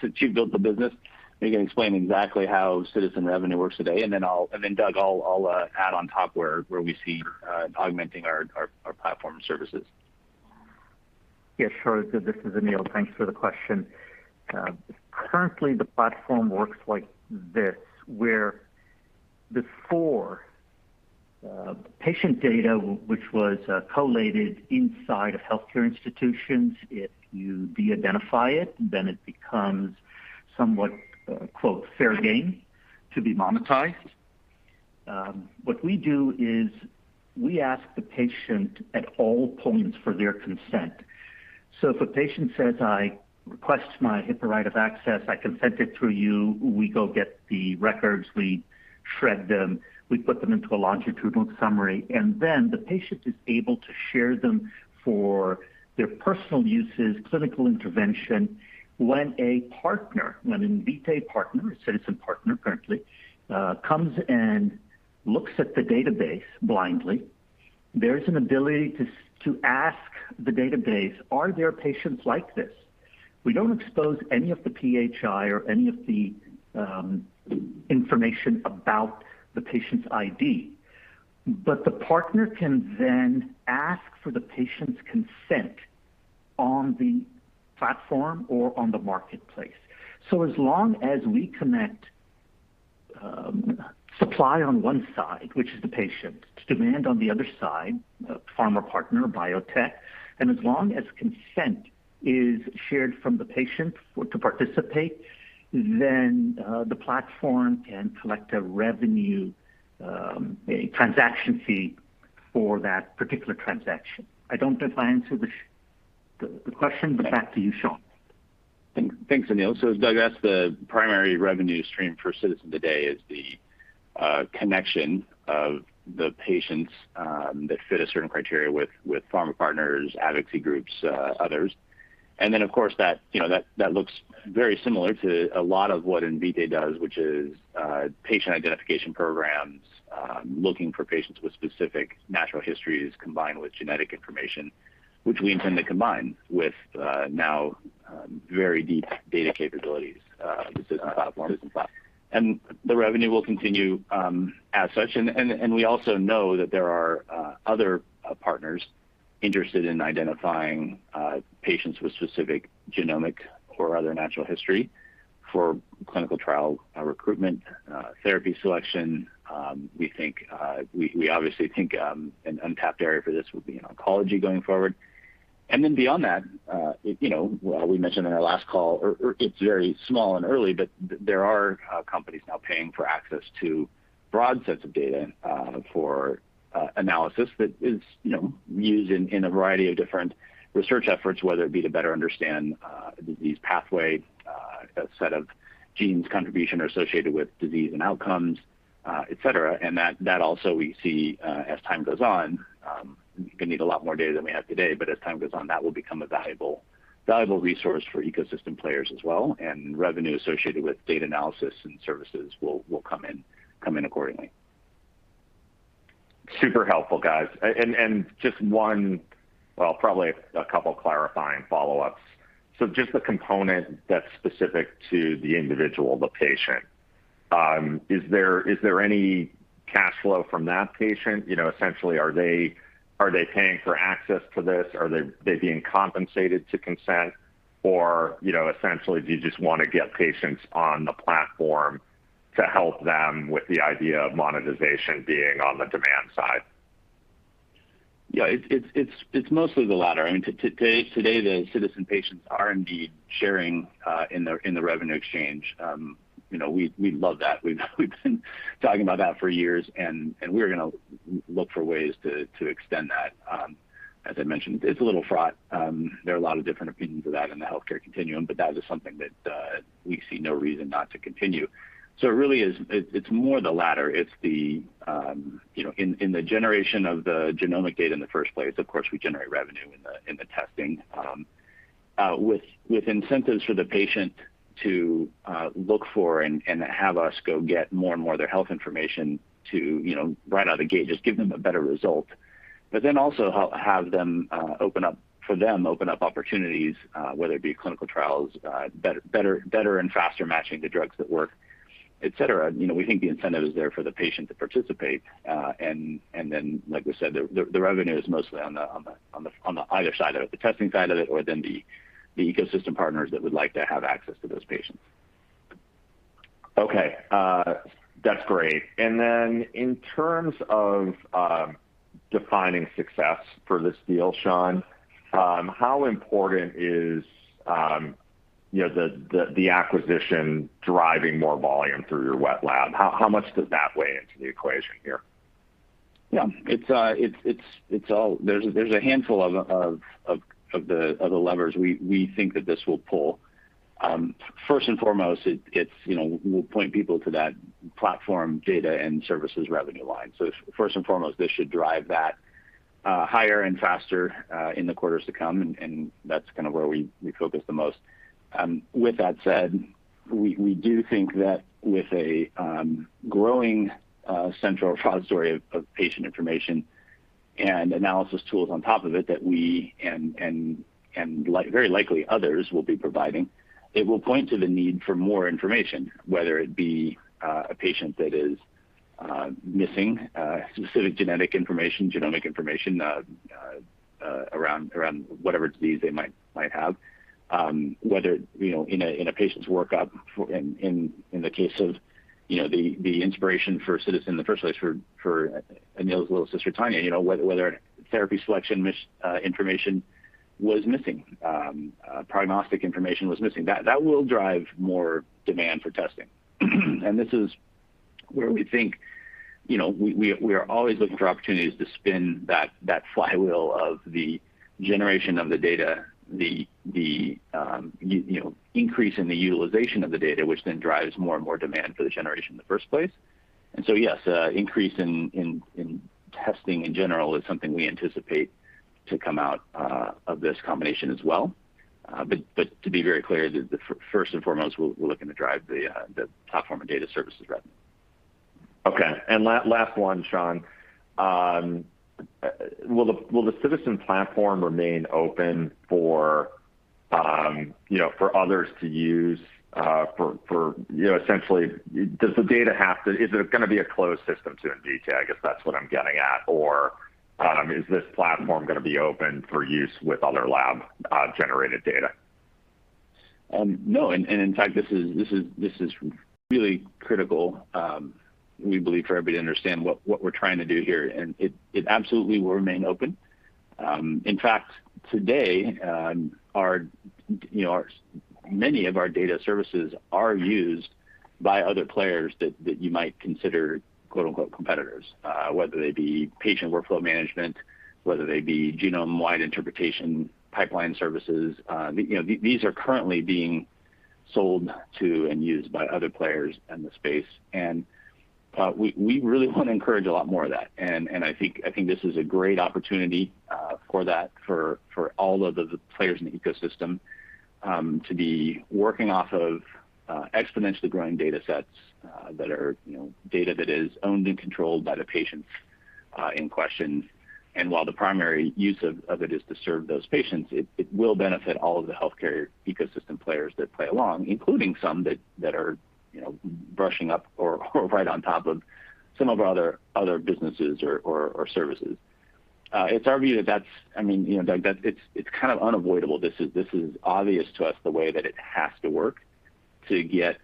since you built the business, maybe you can explain exactly how Ciitizen revenue works today, and then Doug, I'll add on top where we see augmenting our platform services. Yeah, sure, Doug. This is Anil. Thanks for the question. Currently, the platform works like this, where before, patient data which was collated inside of healthcare institutions, if you de-identify it, then it becomes somewhat "fair game" to be monetized. What we do is we ask the patient at all points for their consent. If a patient says, "I request my HIPAA right of access, I consent it through you," we go get the records, we shred them, we put them into a longitudinal summary, and then the patient is able to share them for their personal uses, clinical intervention. When a partner, when an Invitae partner, a Ciitizen partner currently, comes and looks at the database blindly, there is an ability to ask the database, "Are there patients like this?" We don't expose any of the PHI or any of the information about the patient's ID. The partner can then ask for the patient's consent on the platform or on the marketplace. As long as we connect supply on one side, which is the patient, to demand on the other side, a pharma partner or biotech, and as long as consent is shared from the patient to participate, then the platform can collect a revenue transaction fee for that particular transaction. I don't know if I answered the question, but back to you, Sean. Thanks, Anil. As Doug asked, the primary revenue stream for Ciitizen today is the connection of the patients that fit a certain criteria with pharma partners, advocacy groups, others. Of course, that looks very similar to a lot of what Invitae does, which is patient identification programs, looking for patients with specific natural histories combined with genetic information, which we intend to combine with now very deep data capabilities with the Ciitizen platform. The revenue will continue as such. We also know that there are other partners interested in identifying patients with specific genomic or other natural history for clinical trial recruitment, therapy selection. We obviously think an untapped area for this would be in oncology going forward. Beyond that, we mentioned in our last call, it's very small and early, but there are companies now paying for access to broad sets of data for analysis that is used in a variety of different research efforts, whether it be to better understand a disease pathway, a set of genes contribution or associated with disease and outcomes, et cetera. That also we see as time goes on, going to need a lot more data than we have today, but as time goes on, that will become a valuable resource for ecosystem players as well, and revenue associated with data analysis and services will come in accordingly. Super helpful, guys. Just one, well, probably a couple clarifying follow-ups. Just the component that's specific to the individual, the patient. Is there any cash flow from that patient? Essentially, are they paying for access to this? Are they being compensated to consent? Essentially, do you just want to get patients on the platform to help them with the idea of monetization being on the demand side? It's mostly the latter. I mean, today, the Ciitizen patients are indeed sharing in the revenue exchange. We love that. We've been talking about that for years, and we are going to look for ways to extend that. As I mentioned, it's a little fraught. There are a lot of different opinions of that in the healthcare continuum, but that is something that we see no reason not to continue. Really it's more the latter. In the generation of the genomic data in the first place, of course, we generate revenue in the testing. With incentives for the patient to look for and have us go get more and more of their health information to, right out of the gate, just give them a better result, but then also have them open up opportunities, whether it be clinical trials, better and faster matching to drugs that work, et cetera. We think the incentive is there for the patient to participate. Like we said, the revenue is mostly on the either side of it, the testing side of it, or then the ecosystem partners that would like to have access to those patients. Okay. That's great. In terms of defining success for this deal, Sean, how important is the acquisition driving more volume through your wet lab? How much does that weigh into the equation here? There's a handful of the levers we think that this will pull. First and foremost, we'll point people to that platform data and services revenue line. First and foremost, this should drive that higher and faster in the quarters to come, and that's kind of where we focus the most. With that said, we do think that with a growing central repository of patient information and analysis tools on top of it, that we and very likely others will be providing, it will point to the need for more information, whether it be a patient that is missing specific genetic information, genomic information around whatever disease they might have. Whether in a patient's workup, in the case of the inspiration for Ciitizen in the first place, for Anil's little sister, Tanya, whether therapy selection information was missing, prognostic information was missing. That will drive more demand for testing. This is where we think we are always looking for opportunities to spin that flywheel of the generation of the data, the increase in the utilization of the data, which then drives more and more demand for the generation in the first place. Yes, increase in testing in general is something we anticipate to come out of this combination as well. To be very clear, first and foremost, we're looking to drive the platform and data services revenue. Okay. Last one, Sean. Will the Ciitizen platform remain open for others to use? Essentially, is it going to be a closed system soon? I guess that's what I'm getting at. Is this platform going to be open for use with other lab-generated data? No. In fact, this is really critical, we believe, for everybody to understand what we're trying to do here, and it absolutely will remain open. In fact, today, many of our data services are used by other players that you might consider "competitors," whether they be patient workflow management, whether they be genome-wide interpretation pipeline services. These are currently being sold to and used by other players in the space, and we really want to encourage a lot more of that. I think this is a great opportunity for that, for all of the players in the ecosystem, to be working off of exponentially growing data sets, data that is owned and controlled by the patients in question. While the primary use of it is to serve those patients, it will benefit all of the healthcare ecosystem players that play along, including some that are brushing up or right on top of some of our other businesses or services. It's our view that it's kind of unavoidable. This is obvious to us the way that it has to work to get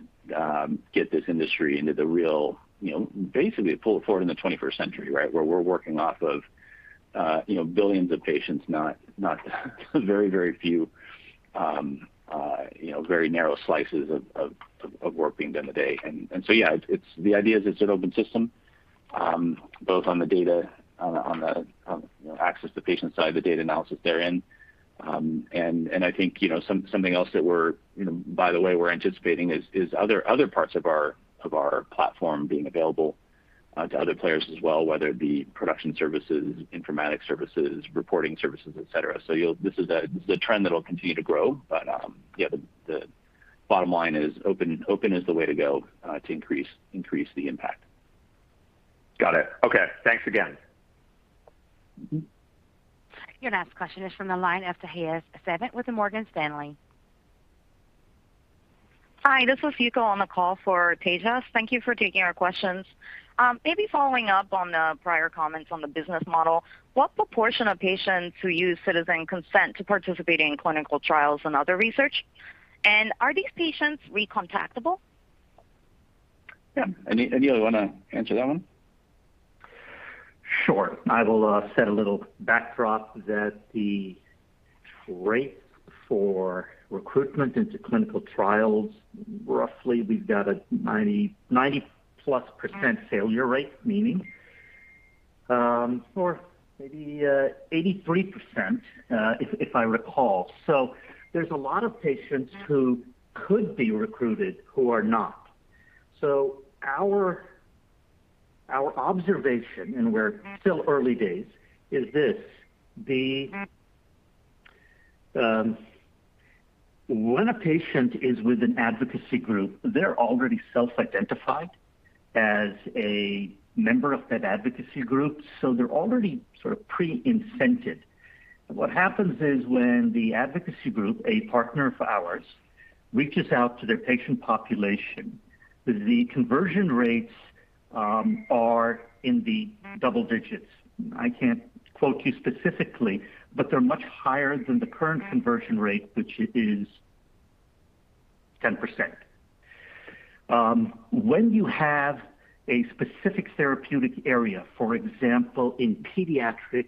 this industry. Basically, pull it forward in the 21st century, right. Where we're working off of billions of patients, not very few, very narrow slices of work being done a day. Yeah, the idea is it's an open system, both on the data, on the access to patient side of the data analysis they're in. I think, something else that by the way, we're anticipating is other parts of our platform being available to other players as well, whether it be production services, informatics services, reporting services, et cetera. This is a trend that'll continue to grow. Yeah, the bottom line is open is the way to go to increase the impact. Got it. Okay. Thanks again. Your next question is from the line of Tejas Savant with Morgan Stanley. Hi, this is Yuko on the call for Tejas. Thank you for taking our questions. Maybe following up on the prior comments on the business model, what proportion of patients who use Ciitizen consent to participating in clinical trials and other research, and are these patients recontactable? Yeah. Anil, you want to answer that one? Sure. I will set a little backdrop that the rate for recruitment into clinical trials, roughly we've got a 90%+ failure rate, meaning or maybe, 83%, if I recall. There's a lot of patients who could be recruited who are not. Our observation, and we're still early days, is this. When a patient is with an advocacy group, they're already self-identified as a member of that advocacy group, so they're already sort of pre-incented. What happens is when the advocacy group, a partner of ours, reaches out to their patient population, the conversion rates are in the double digits. I can't quote you specifically, but they're much higher than the current conversion rate, which is 10%. When you have a specific therapeutic area, for example, in pediatric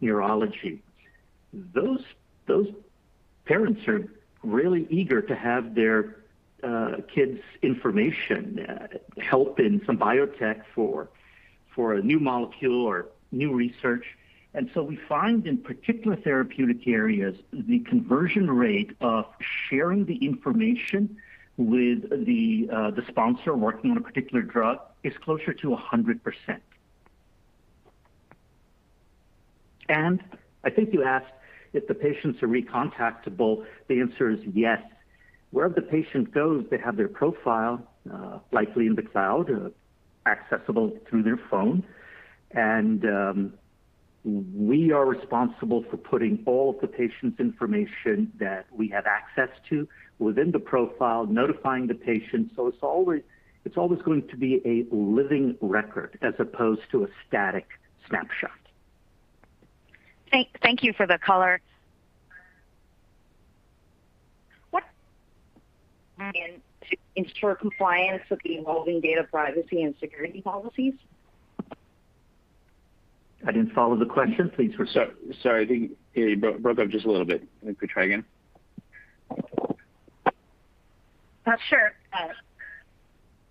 neurology, those parents are really eager to have their kids' information help in some biotech for a new molecule or new research. We find in particular therapeutic areas, the conversion rate of sharing the information with the sponsor working on a particular drug is closer to 100%. I think you asked if the patients are recontactable. The answer is yes. Wherever the patient goes, they have their profile, likely in the cloud, accessible through their phone. We are responsible for putting all of the patient's information that we have access to within the profile, notifying the patient. It's always going to be a living record as opposed to a static snapshot. Thank you for the color. What ensure compliance with the evolving data privacy and security policies? I didn't follow the question. Sorry. I think you broke up just a little bit. You could try again. Sure.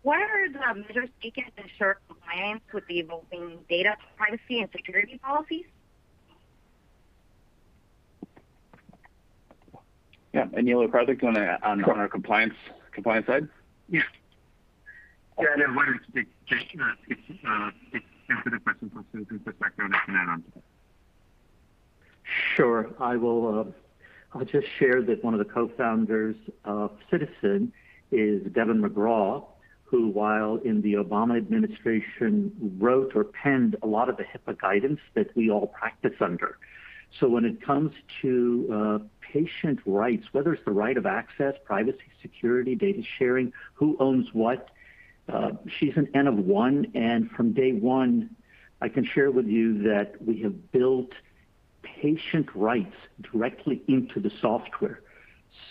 What are the measures taken to ensure compliance with the evolving data privacy and security policies? Yeah. Anil or Karthik on our compliance side? Yeah. Yeah. Why don't you take, Anil, if you answer the question from Ciitizen perspective, and I can add on to that. I'll just share that one of the co-founders of Ciitizen is Deven McGraw, who, while in the Obama administration, wrote or penned a lot of the HIPAA guidance that we all practice under. When it comes to patient rights, whether it's the right of access, privacy, security, data sharing, who owns what, she's an N of one, and from day one, I can share with you that we have built patient rights directly into the software.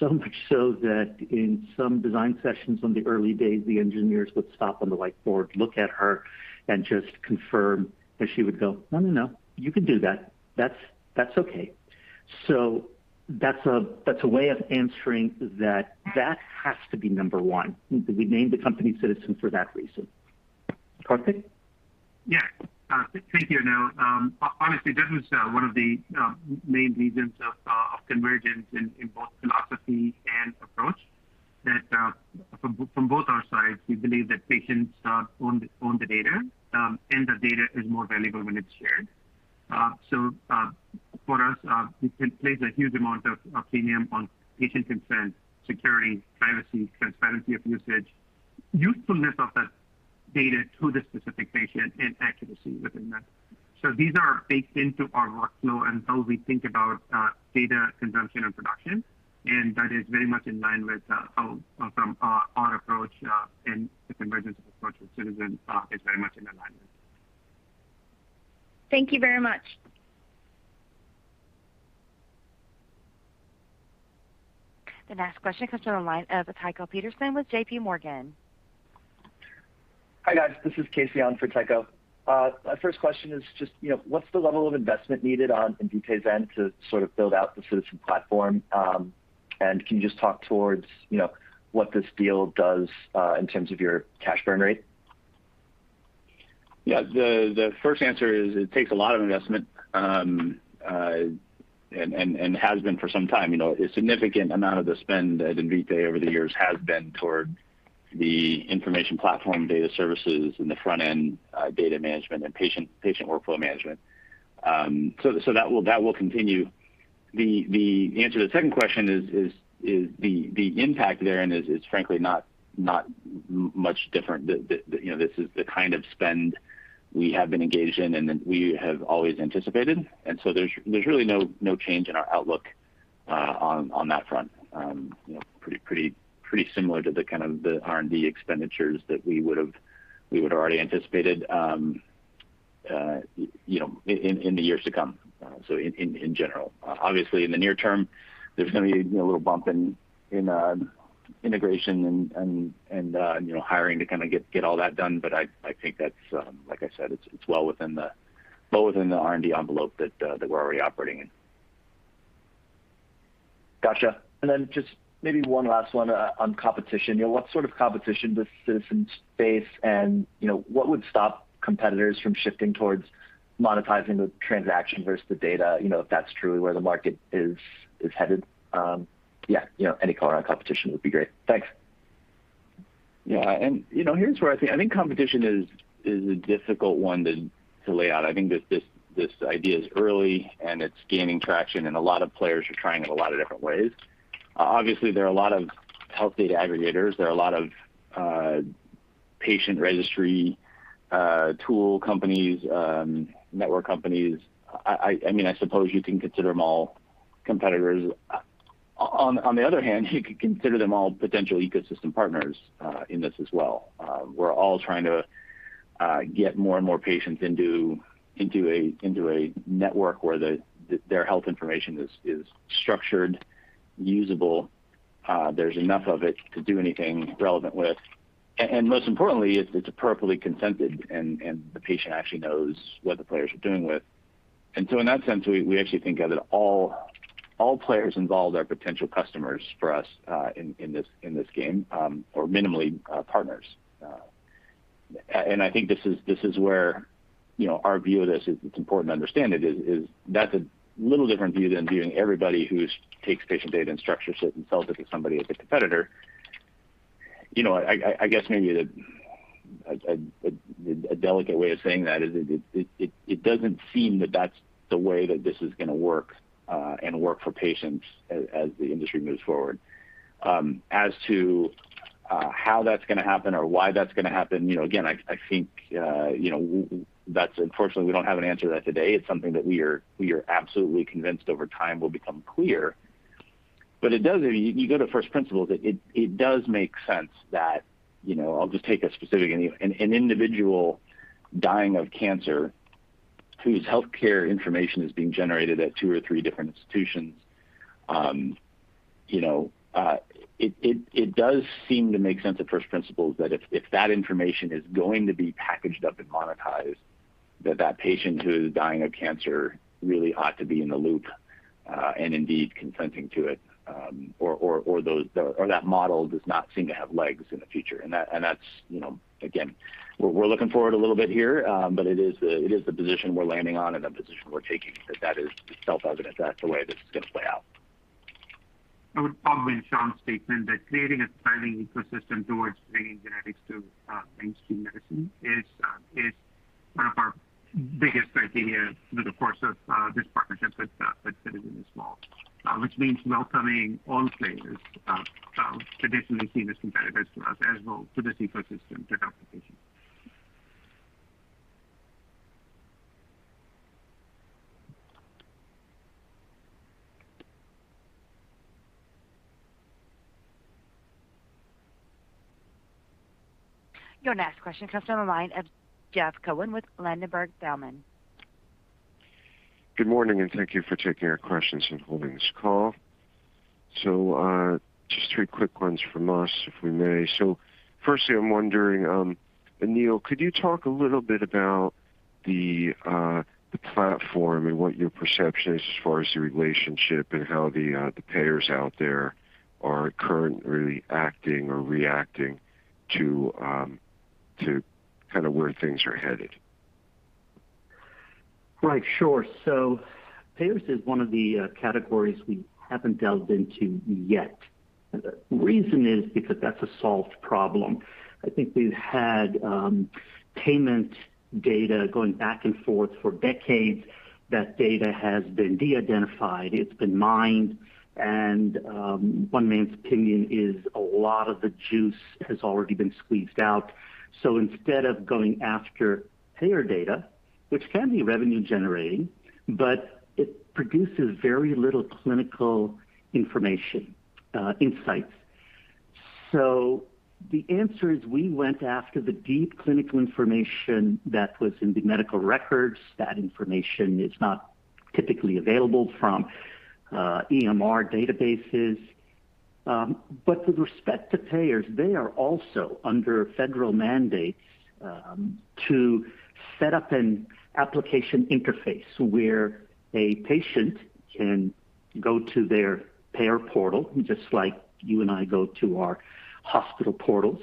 So much so that in some design sessions on the early days, the engineers would stop on the whiteboard, look at her, and just confirm that she would go, "No, no. You can do that. That's okay." That's a way of answering that. That has to be number one. We named the company Ciitizen for that reason. Karthik? Yeah. Thank you, Anil. Honestly, this is one of the main reasons of convergence in both philosophy and approach, that from both our sides, we believe that patients own the data, and that data is more valuable when it's shared. For us, we place a huge amount of premium on patient consent, security, privacy, transparency of usage, usefulness of the data to the specific patient, and accuracy within that. These are baked into our workflow and how we think about data consumption and production, and that is very much in line with from our approach and the convergence approach with Ciitizen is very much in alignment. Thank you very much. The next question comes from the line of Tycho Peterson with JPMorgan. Hi, guys. This is Casey on for Tycho. My first question is just, what's the level of investment needed on Invitae's end to sort of build out the Ciitizen platform? Can you just talk towards what this deal does in terms of your cash burn rate? Yeah. The first answer is it takes a lot of investment, and has been for some time. A significant amount of the spend at Invitae over the years has been toward the information platform data services and the front-end data management and patient workflow management. That will continue. The answer to the second question is the impact there and is frankly not much different. This is the kind of spend we have been engaged in and that we have always anticipated, there's really no change in our outlook on that front. Pretty similar to the R&D expenditures that we would've already anticipated in the years to come. In general. Obviously, in the near term, there's going to be a little bump in integration and hiring to get all that done. I think that's, like I said, it's well within the R&D envelope that we're already operating in. Got you. Then just maybe one last one on competition. What sort of competition does Ciitizen face, and what would stop competitors from shifting towards monetizing the transaction versus the data, if that's truly where the market is headed? Yeah. Any color on competition would be great. Thanks. Yeah. Here's where I think competition is a difficult one to lay out. I think this idea is early and it's gaining traction, and a lot of players are trying it a lot of different ways. Obviously, there are a lot of health data aggregators. There are a lot of patient registry tool companies, network companies. I suppose you can consider them all competitors. On the other hand, you could consider them all potential ecosystem partners in this as well. We're all trying to get more and more patients into a network where their health information is structured, usable. There's enough of it to do anything relevant with. Most importantly, it's appropriately consented, and the patient actually knows what the players are doing with. In that sense, we actually think of it, all players involved are potential customers for us in this game, or minimally, partners. I think this is where our view of this is it's important to understand it is that's a little different view than viewing everybody who takes patient data and structures it and sells it to somebody as a competitor. I guess maybe a delicate way of saying that is it doesn't seem that that's the way that this is going to work, and work for patients as the industry moves forward. How that's going to happen or why that's going to happen, again, I think that unfortunately we don't have an answer to that today. It's something that we are absolutely convinced over time will become clear. If you go to first principles, it does make sense that, I'll just take a specific anyway, an individual dying of cancer whose healthcare information is being generated at two or three different institutions. It does seem to make sense at first principles that if that information is going to be packaged up and monetized, that that patient who is dying of cancer really ought to be in the loop, and indeed consenting to it, or that model does not seem to have legs in the future. That's again, we're looking forward a little bit here. It is the position we're landing on and the position we're taking that is self-evident that's the way this is going to play out. I would follow in Sean's statement that creating a thriving ecosystem towards bringing genetics to mainstream medicine is one of our biggest criteria through the course of this partnership with Ciitizen as well. Which means welcoming all players traditionally seen as competitors to us as well to this ecosystem with application. Your next question comes from the line of Jeff Cohen with Ladenburg Thalmann. Good morning, thank you for taking our questions and holding this call. Just three quick ones from us, if we may. Firstly, I'm wondering Anil, could you talk a little bit about the platform and what your perception is as far as the relationship and how the payers out there are currently acting or reacting to where things are headed? Right. Sure. Payers is one of the categories we haven't delved into yet. The reason is because that's a solved problem. I think we've had payment data going back and forth for decades. That data has been de-identified, it's been mined, and one man's opinion is a lot of the juice has already been squeezed out. Instead of going after payer data, which can be revenue generating, but it produces very little clinical information, insights. The answer is we went after the deep clinical information that was in the medical records. That information is not typically available from EMR databases. With respect to payers, they are also under federal mandates to set up an application interface where a patient can go to their payer portal, just like you and I go to our hospital portals,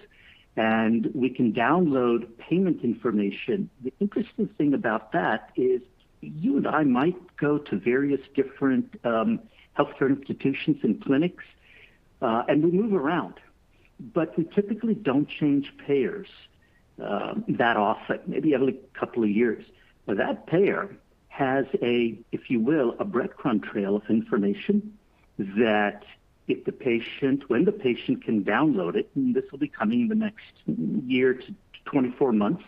and we can download payment information. The interesting thing about that is, you and I might go to various different healthcare institutions and clinics, and we move around. We typically don't change payers that often, maybe every couple of years. That payer has a breadcrumb trail of information that when the patient can download it, and this will be coming in the next year to 24 months,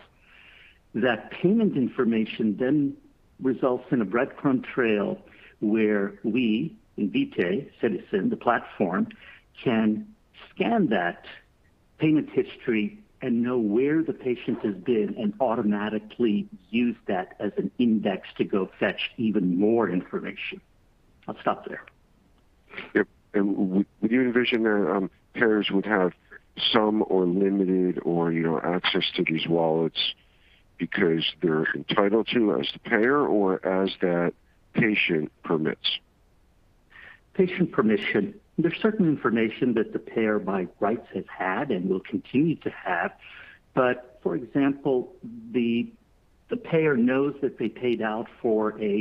that payment information then results in a breadcrumb trail where we, Invitae, Ciitizen, the platform, can scan that payment history and know where the patient has been and automatically use that as an index to go fetch even more information. I'll stop there. Yep. Would you envision that payers would have some or limited access to these wallets because they're entitled to as the payer or as that patient permits? Patient permission. There's certain information that the payer by rights has had and will continue to have. For example, the payer knows that they paid out for a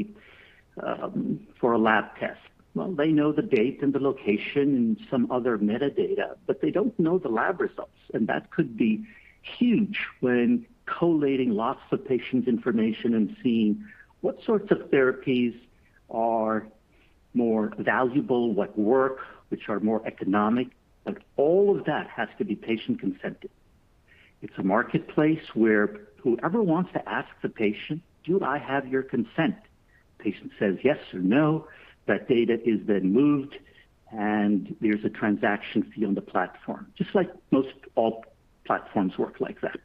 lab test. Well, they know the date and the location and some other metadata, but they don't know the lab results. That could be huge when collating lots of patients' information and seeing what sorts of therapies are more valuable, what work, which are more economic. All of that has to be patient-consented. It's a marketplace where whoever wants to ask the patient, "Do I have your consent?" Patient says yes or no, that data is then moved, and there's a transaction fee on the platform. Just like most all platforms work like that.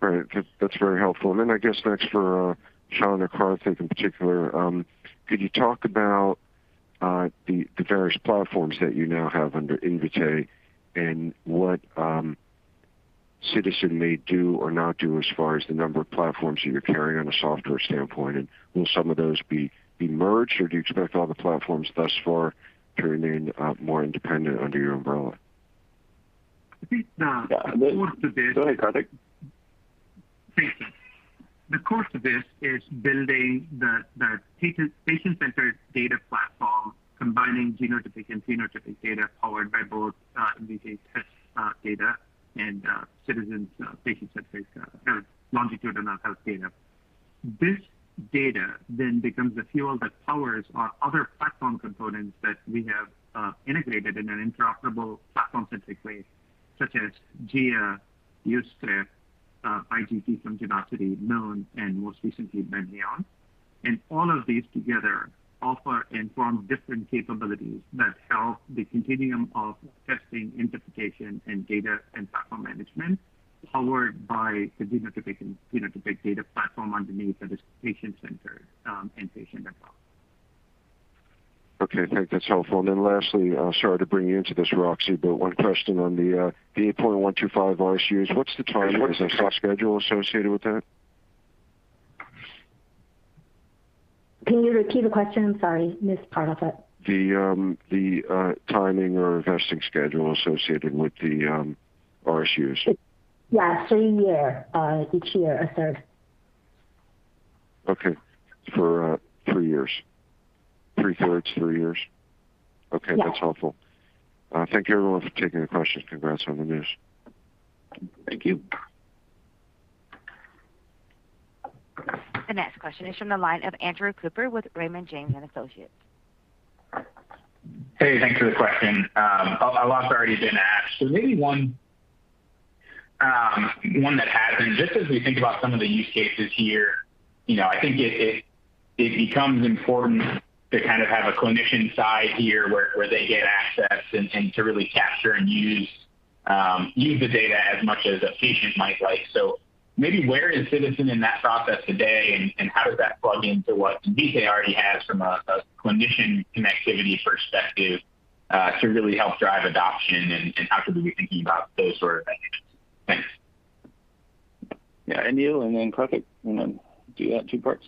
Right. That's very helpful. I guess next for Sean, Karthik in particular, could you talk about the various platforms that you now have under Invitae and what Ciitizen may do or not do as far as the number of platforms that you're carrying on a software standpoint? Will some of those be merged, or do you expect all the platforms thus far to remain more independent under your umbrella? I think the course of this- Go ahead, Karthik. Thanks. The course of this is building the patient-centered data platform, combining genotypic and phenotypic data powered by both Invitae test data and Ciitizen's patient-centric longitudinal health data. This data then becomes the fuel that powers our other platform components that we have integrated in an interoperable platform-centric way, such as Gia, YouScript, IGT from Genosity, Moon, and most recently, Medneon. All of these together offer and form different capabilities that help the continuum of testing, interpretation, and data and platform management powered by the genotypic data platform underneath that is patient-centered and patient as well. I think that's helpful. Lastly, sorry to bring you into this, Roxi, but one question on the 8.125 RSUs. What's the timing and what is the cost schedule associated with that? Can you repeat the question? I'm sorry, missed part of it. The timing or vesting schedule associated with the RSUs. Yeah. Three year. Each year, a third. Okay. For three years. Three-thirds, three years? Yeah. Okay. That's helpful. Thank you, everyone, for taking the questions. Congrats on the news. Thank you. The next question is from the line of Andrew Cooper with Raymond James & Associates. Hey, thanks for the question. A lot's already been asked. Maybe one that hasn't. Just as we think about some of the use cases here, I think it becomes important to have a clinician side here where they get access and to really capture and use the data as much as a patient might like. Maybe where is Ciitizen in that process today, and how does that plug into what Invitae already has from a clinician connectivity perspective to really help drive adoption and how can we be thinking about those sort of things? Thanks. Yeah. Anil and then Karthik. Do that two parts.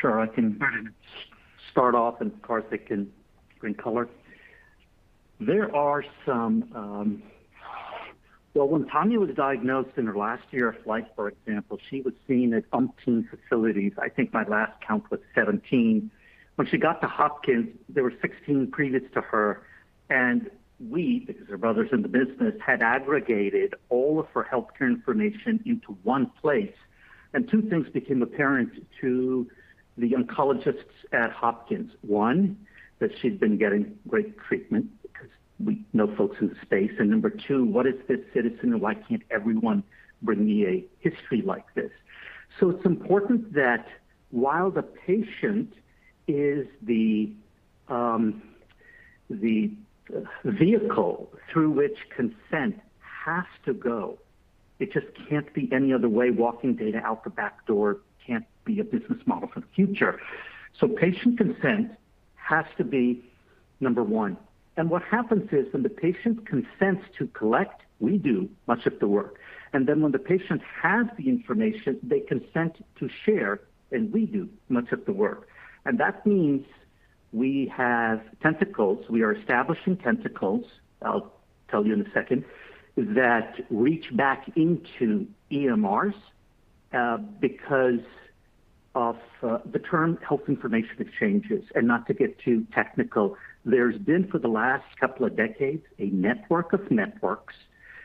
Sure. I can start off and Karthik can bring color. Well, when Tanya was diagnosed in her last year of life, for example, she was seen at umpteen facilities. I think my last count was 17. When she got to Hopkins, there were 16 previous to her, and we, because her brother's in the business, had aggregated all of her healthcare information into one place. Two things became apparent to the oncologists at Hopkins. One, that she'd been getting great treatment because we know folks in the space. Number two, what is this Ciitizen and why can't everyone bring me a history like this? It's important that while the patient is the vehicle through which consent has to go. It just can't be any other way. Walking data out the back door can't be a business model for the future. Patient consent has to be number one. What happens is when the patient consents to collect, we do much of the work, and then when the patients have the information, they consent to share, and we do much of the work. That means we have tentacles. We are establishing tentacles, I'll tell you in a second, that reach back into EMRs because of the term health information exchanges. Not to get too technical, there's been, for the last couple of decades, a network of networks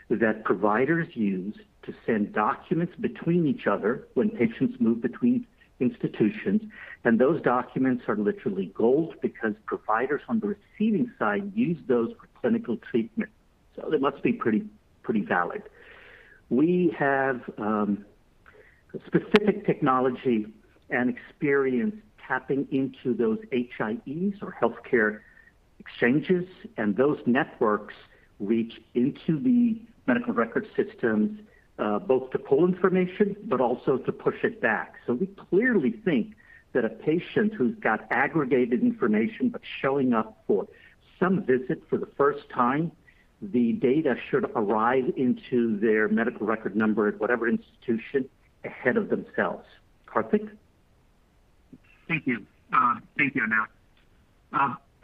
that providers use to send documents between each other when patients move between institutions. Those documents are literally gold because providers on the receiving side use those for clinical treatment. They must be pretty valid. We have specific technology and experience tapping into those HIEs or healthcare exchanges. Those networks reach into the medical record systems, both to pull information, but also to push it back. We clearly think that a patient who's got aggregated information but showing up for some visit for the first time, the data should arrive into their medical record number at whatever institution ahead of themselves. Karthik? Thank you, Anil.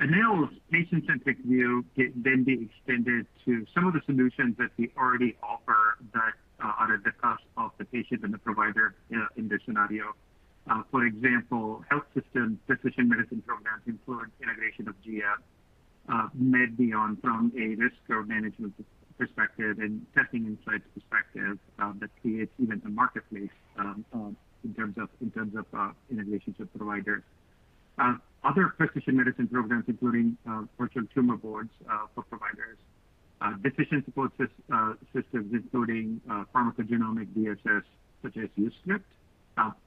Anil's patient-centric view can be extended to some of the solutions that we already offer that are at the cost of the patient and the provider in this scenario. For example, health system precision medicine programs include integration of Gia, Medneon from a risk management perspective and testing insights perspective that creates even a marketplace in terms of integrations with providers. Other precision medicine programs, including virtual tumor boards for providers, decision support systems including pharmacogenomic DSS such as YouScript.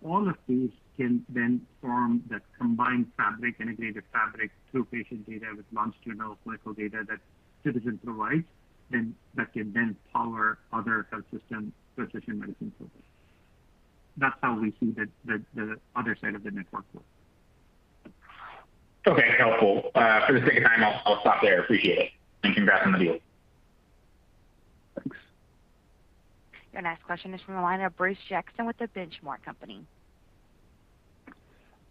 All of these can then form that combined fabric, integrated fabric through patient data with longitudinal clinical data that Ciitizen provides and that can then power other health system precision medicine programs. That's how we see the other side of the network work. Okay. Helpful. For the sake of time, I'll stop there. Appreciate it, and congrats on the deal. Thanks. Your next question is from the line of Bruce Jackson with The Benchmark Company.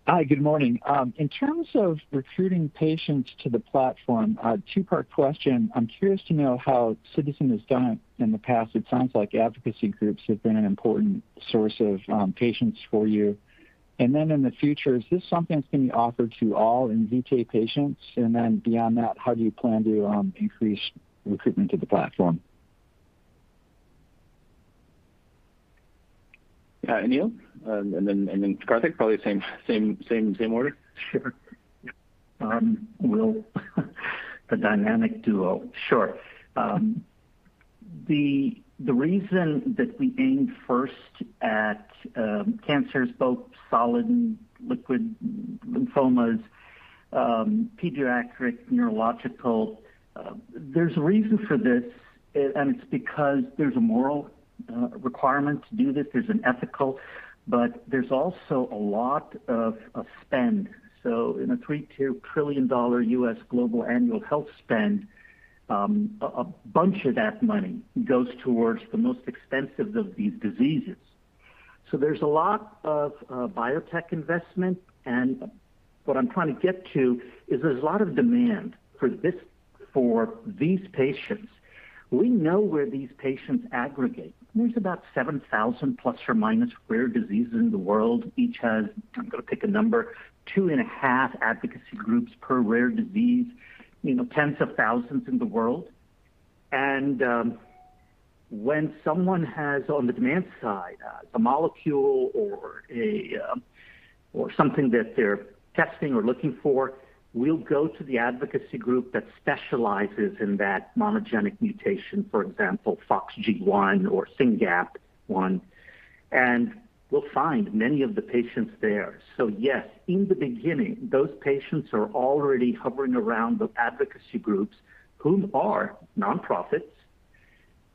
Hi, good morning. In terms of recruiting patients to the platform, a two-part question. I'm curious to know how Ciitizen has done it in the past. It sounds like advocacy groups have been an important source of patients for you. In the future, is this something that's going to be offered to all Invitae patients? Beyond that, how do you plan to increase recruitment to the platform? Yeah. Anil, and then Karthik, probably same order. Sure. Well, the dynamic duo. Sure. The reason that we aimed first at cancers, both solid and liquid lymphomas, pediatric, neurological, there's a reason for this, and it's because there's a moral requirement to do this. There's an ethical. There's also a lot of spend. In a $3.2 trillion U.S. global annual health spend, a bunch of that money goes towards the most expensive of these diseases. There's a lot of biotech investment, and what I'm trying to get to is there's a lot of demand for these patients. We know where these patients aggregate. There's about 7,000 ± rare diseases in the world. Each has, I'm going to pick a number, two and a half advocacy groups per rare disease, tens of thousands in the world. When someone has, on the demand side, a molecule or something that they're testing or looking for, we'll go to the advocacy group that specializes in that monogenic mutation, for example, FOXG1 or SYNGAP1, and we'll find many of the patients there. Yes, in the beginning, those patients are already hovering around those advocacy groups whom are nonprofits.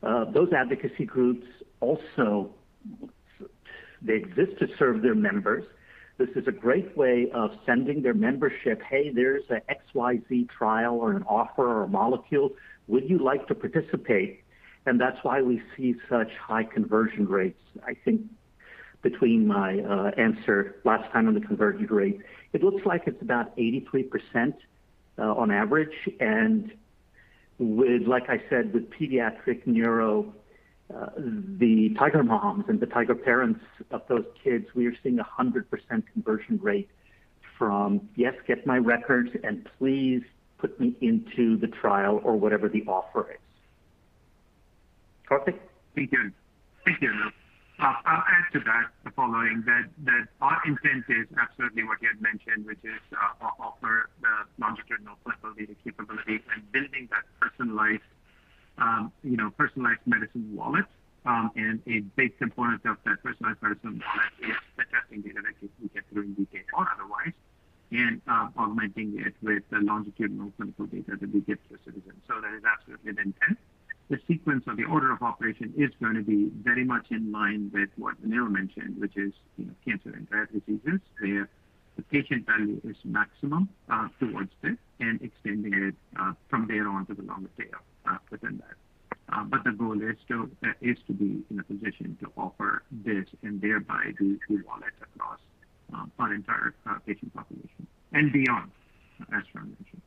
Those advocacy groups also exist to serve their members. This is a great way of sending their membership, "Hey, there's an XYZ trial or an offer or a molecule. Would you like to participate?" That's why we see such high conversion rates. I think between my answer last time on the conversion rate, it looks like it's about 83% on average. With, like I said, with pediatric neuro, the tiger moms and the tiger parents of those kids, we are seeing 100% conversion rate from, "Yes, get my records and please put me into the trial" or whatever the offer is. Karthik? Thank you, Anil. I'll add to that the following, that our intent is absolutely what you had mentioned, which is ability, the capability and building that personalized medicine wallet. A big component of that personalized medicine wallet is the testing data that we get through Invitae or otherwise, and augmenting it with the longitudinal clinical data that we get through Ciitizen. That is absolutely the intent. The sequence or the order of operation is going to be very much in line with what Anil mentioned, which is, cancer and rare diseases, where the patient value is maximum towards this, and extending it from there on to the longer tail within that. The goal is to be in a position to offer this and thereby do eWallet across our entire patient population and beyond, as Sean mentioned.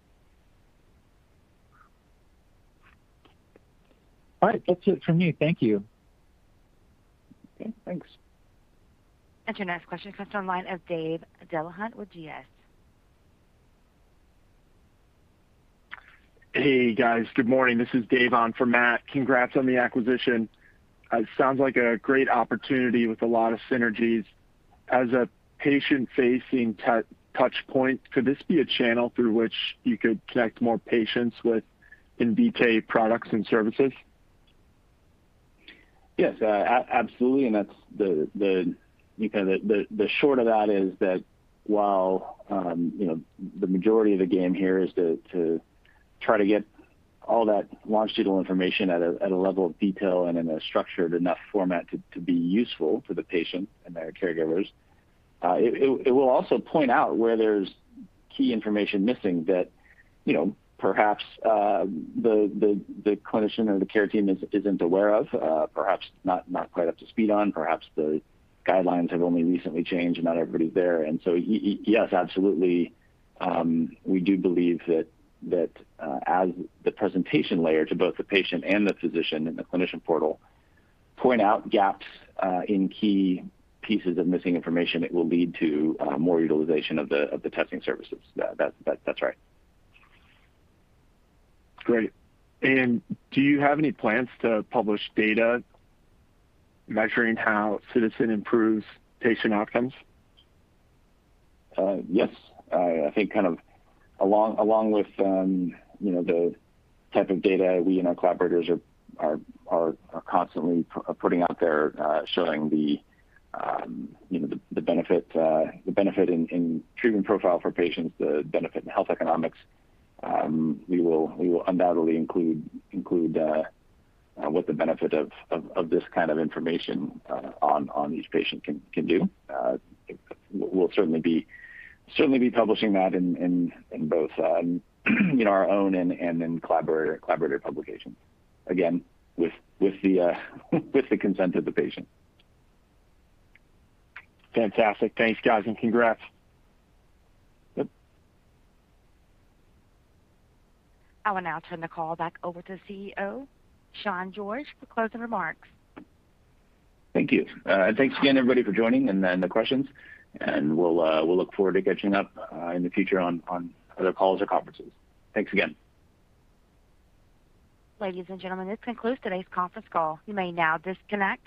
All right. That's it from me. Thank you. Okay, thanks. Your next question comes online as Dave Delahunt with GS. Hey, guys. Good morning. This is Dave on for Matt. Congrats on the acquisition. It sounds like a great opportunity with a lot of synergies. As a patient-facing touchpoint, could this be a channel through which you could connect more patients with Invitae products and services? Yes, absolutely, the short of that is that while the majority of the game here is to try to get all that longitudinal information at a level of detail and in a structured enough format to be useful for the patient and their caregivers, it will also point out where there's key information missing that perhaps the clinician or the care team isn't aware of, perhaps not quite up to speed on. Perhaps the guidelines have only recently changed and not everybody's there. Yes, absolutely, we do believe that as the presentation layer to both the patient and the physician in the clinician portal point out gaps in key pieces of missing information, it will lead to more utilization of the testing services. That's right. Great. Do you have any plans to publish data measuring how Ciitizen improves patient outcomes? Yes. I think along with the type of data we and our collaborators are constantly putting out there, showing the benefit in treatment profile for patients, the benefit in health economics, we will undoubtedly include what the benefit of this kind of information on each patient can do. We'll certainly be publishing that in both our own and in collaborator publications. Again, with the consent of the patient. Fantastic. Thanks, guys, and congrats. Yep. I will now turn the call back over to CEO, Sean George, for closing remarks. Thank you. Thanks again, everybody, for joining and the questions. We'll look forward to catching up in the future on other calls or conferences. Thanks again. Ladies and gentlemen, this concludes today's conference call. You may now disconnect.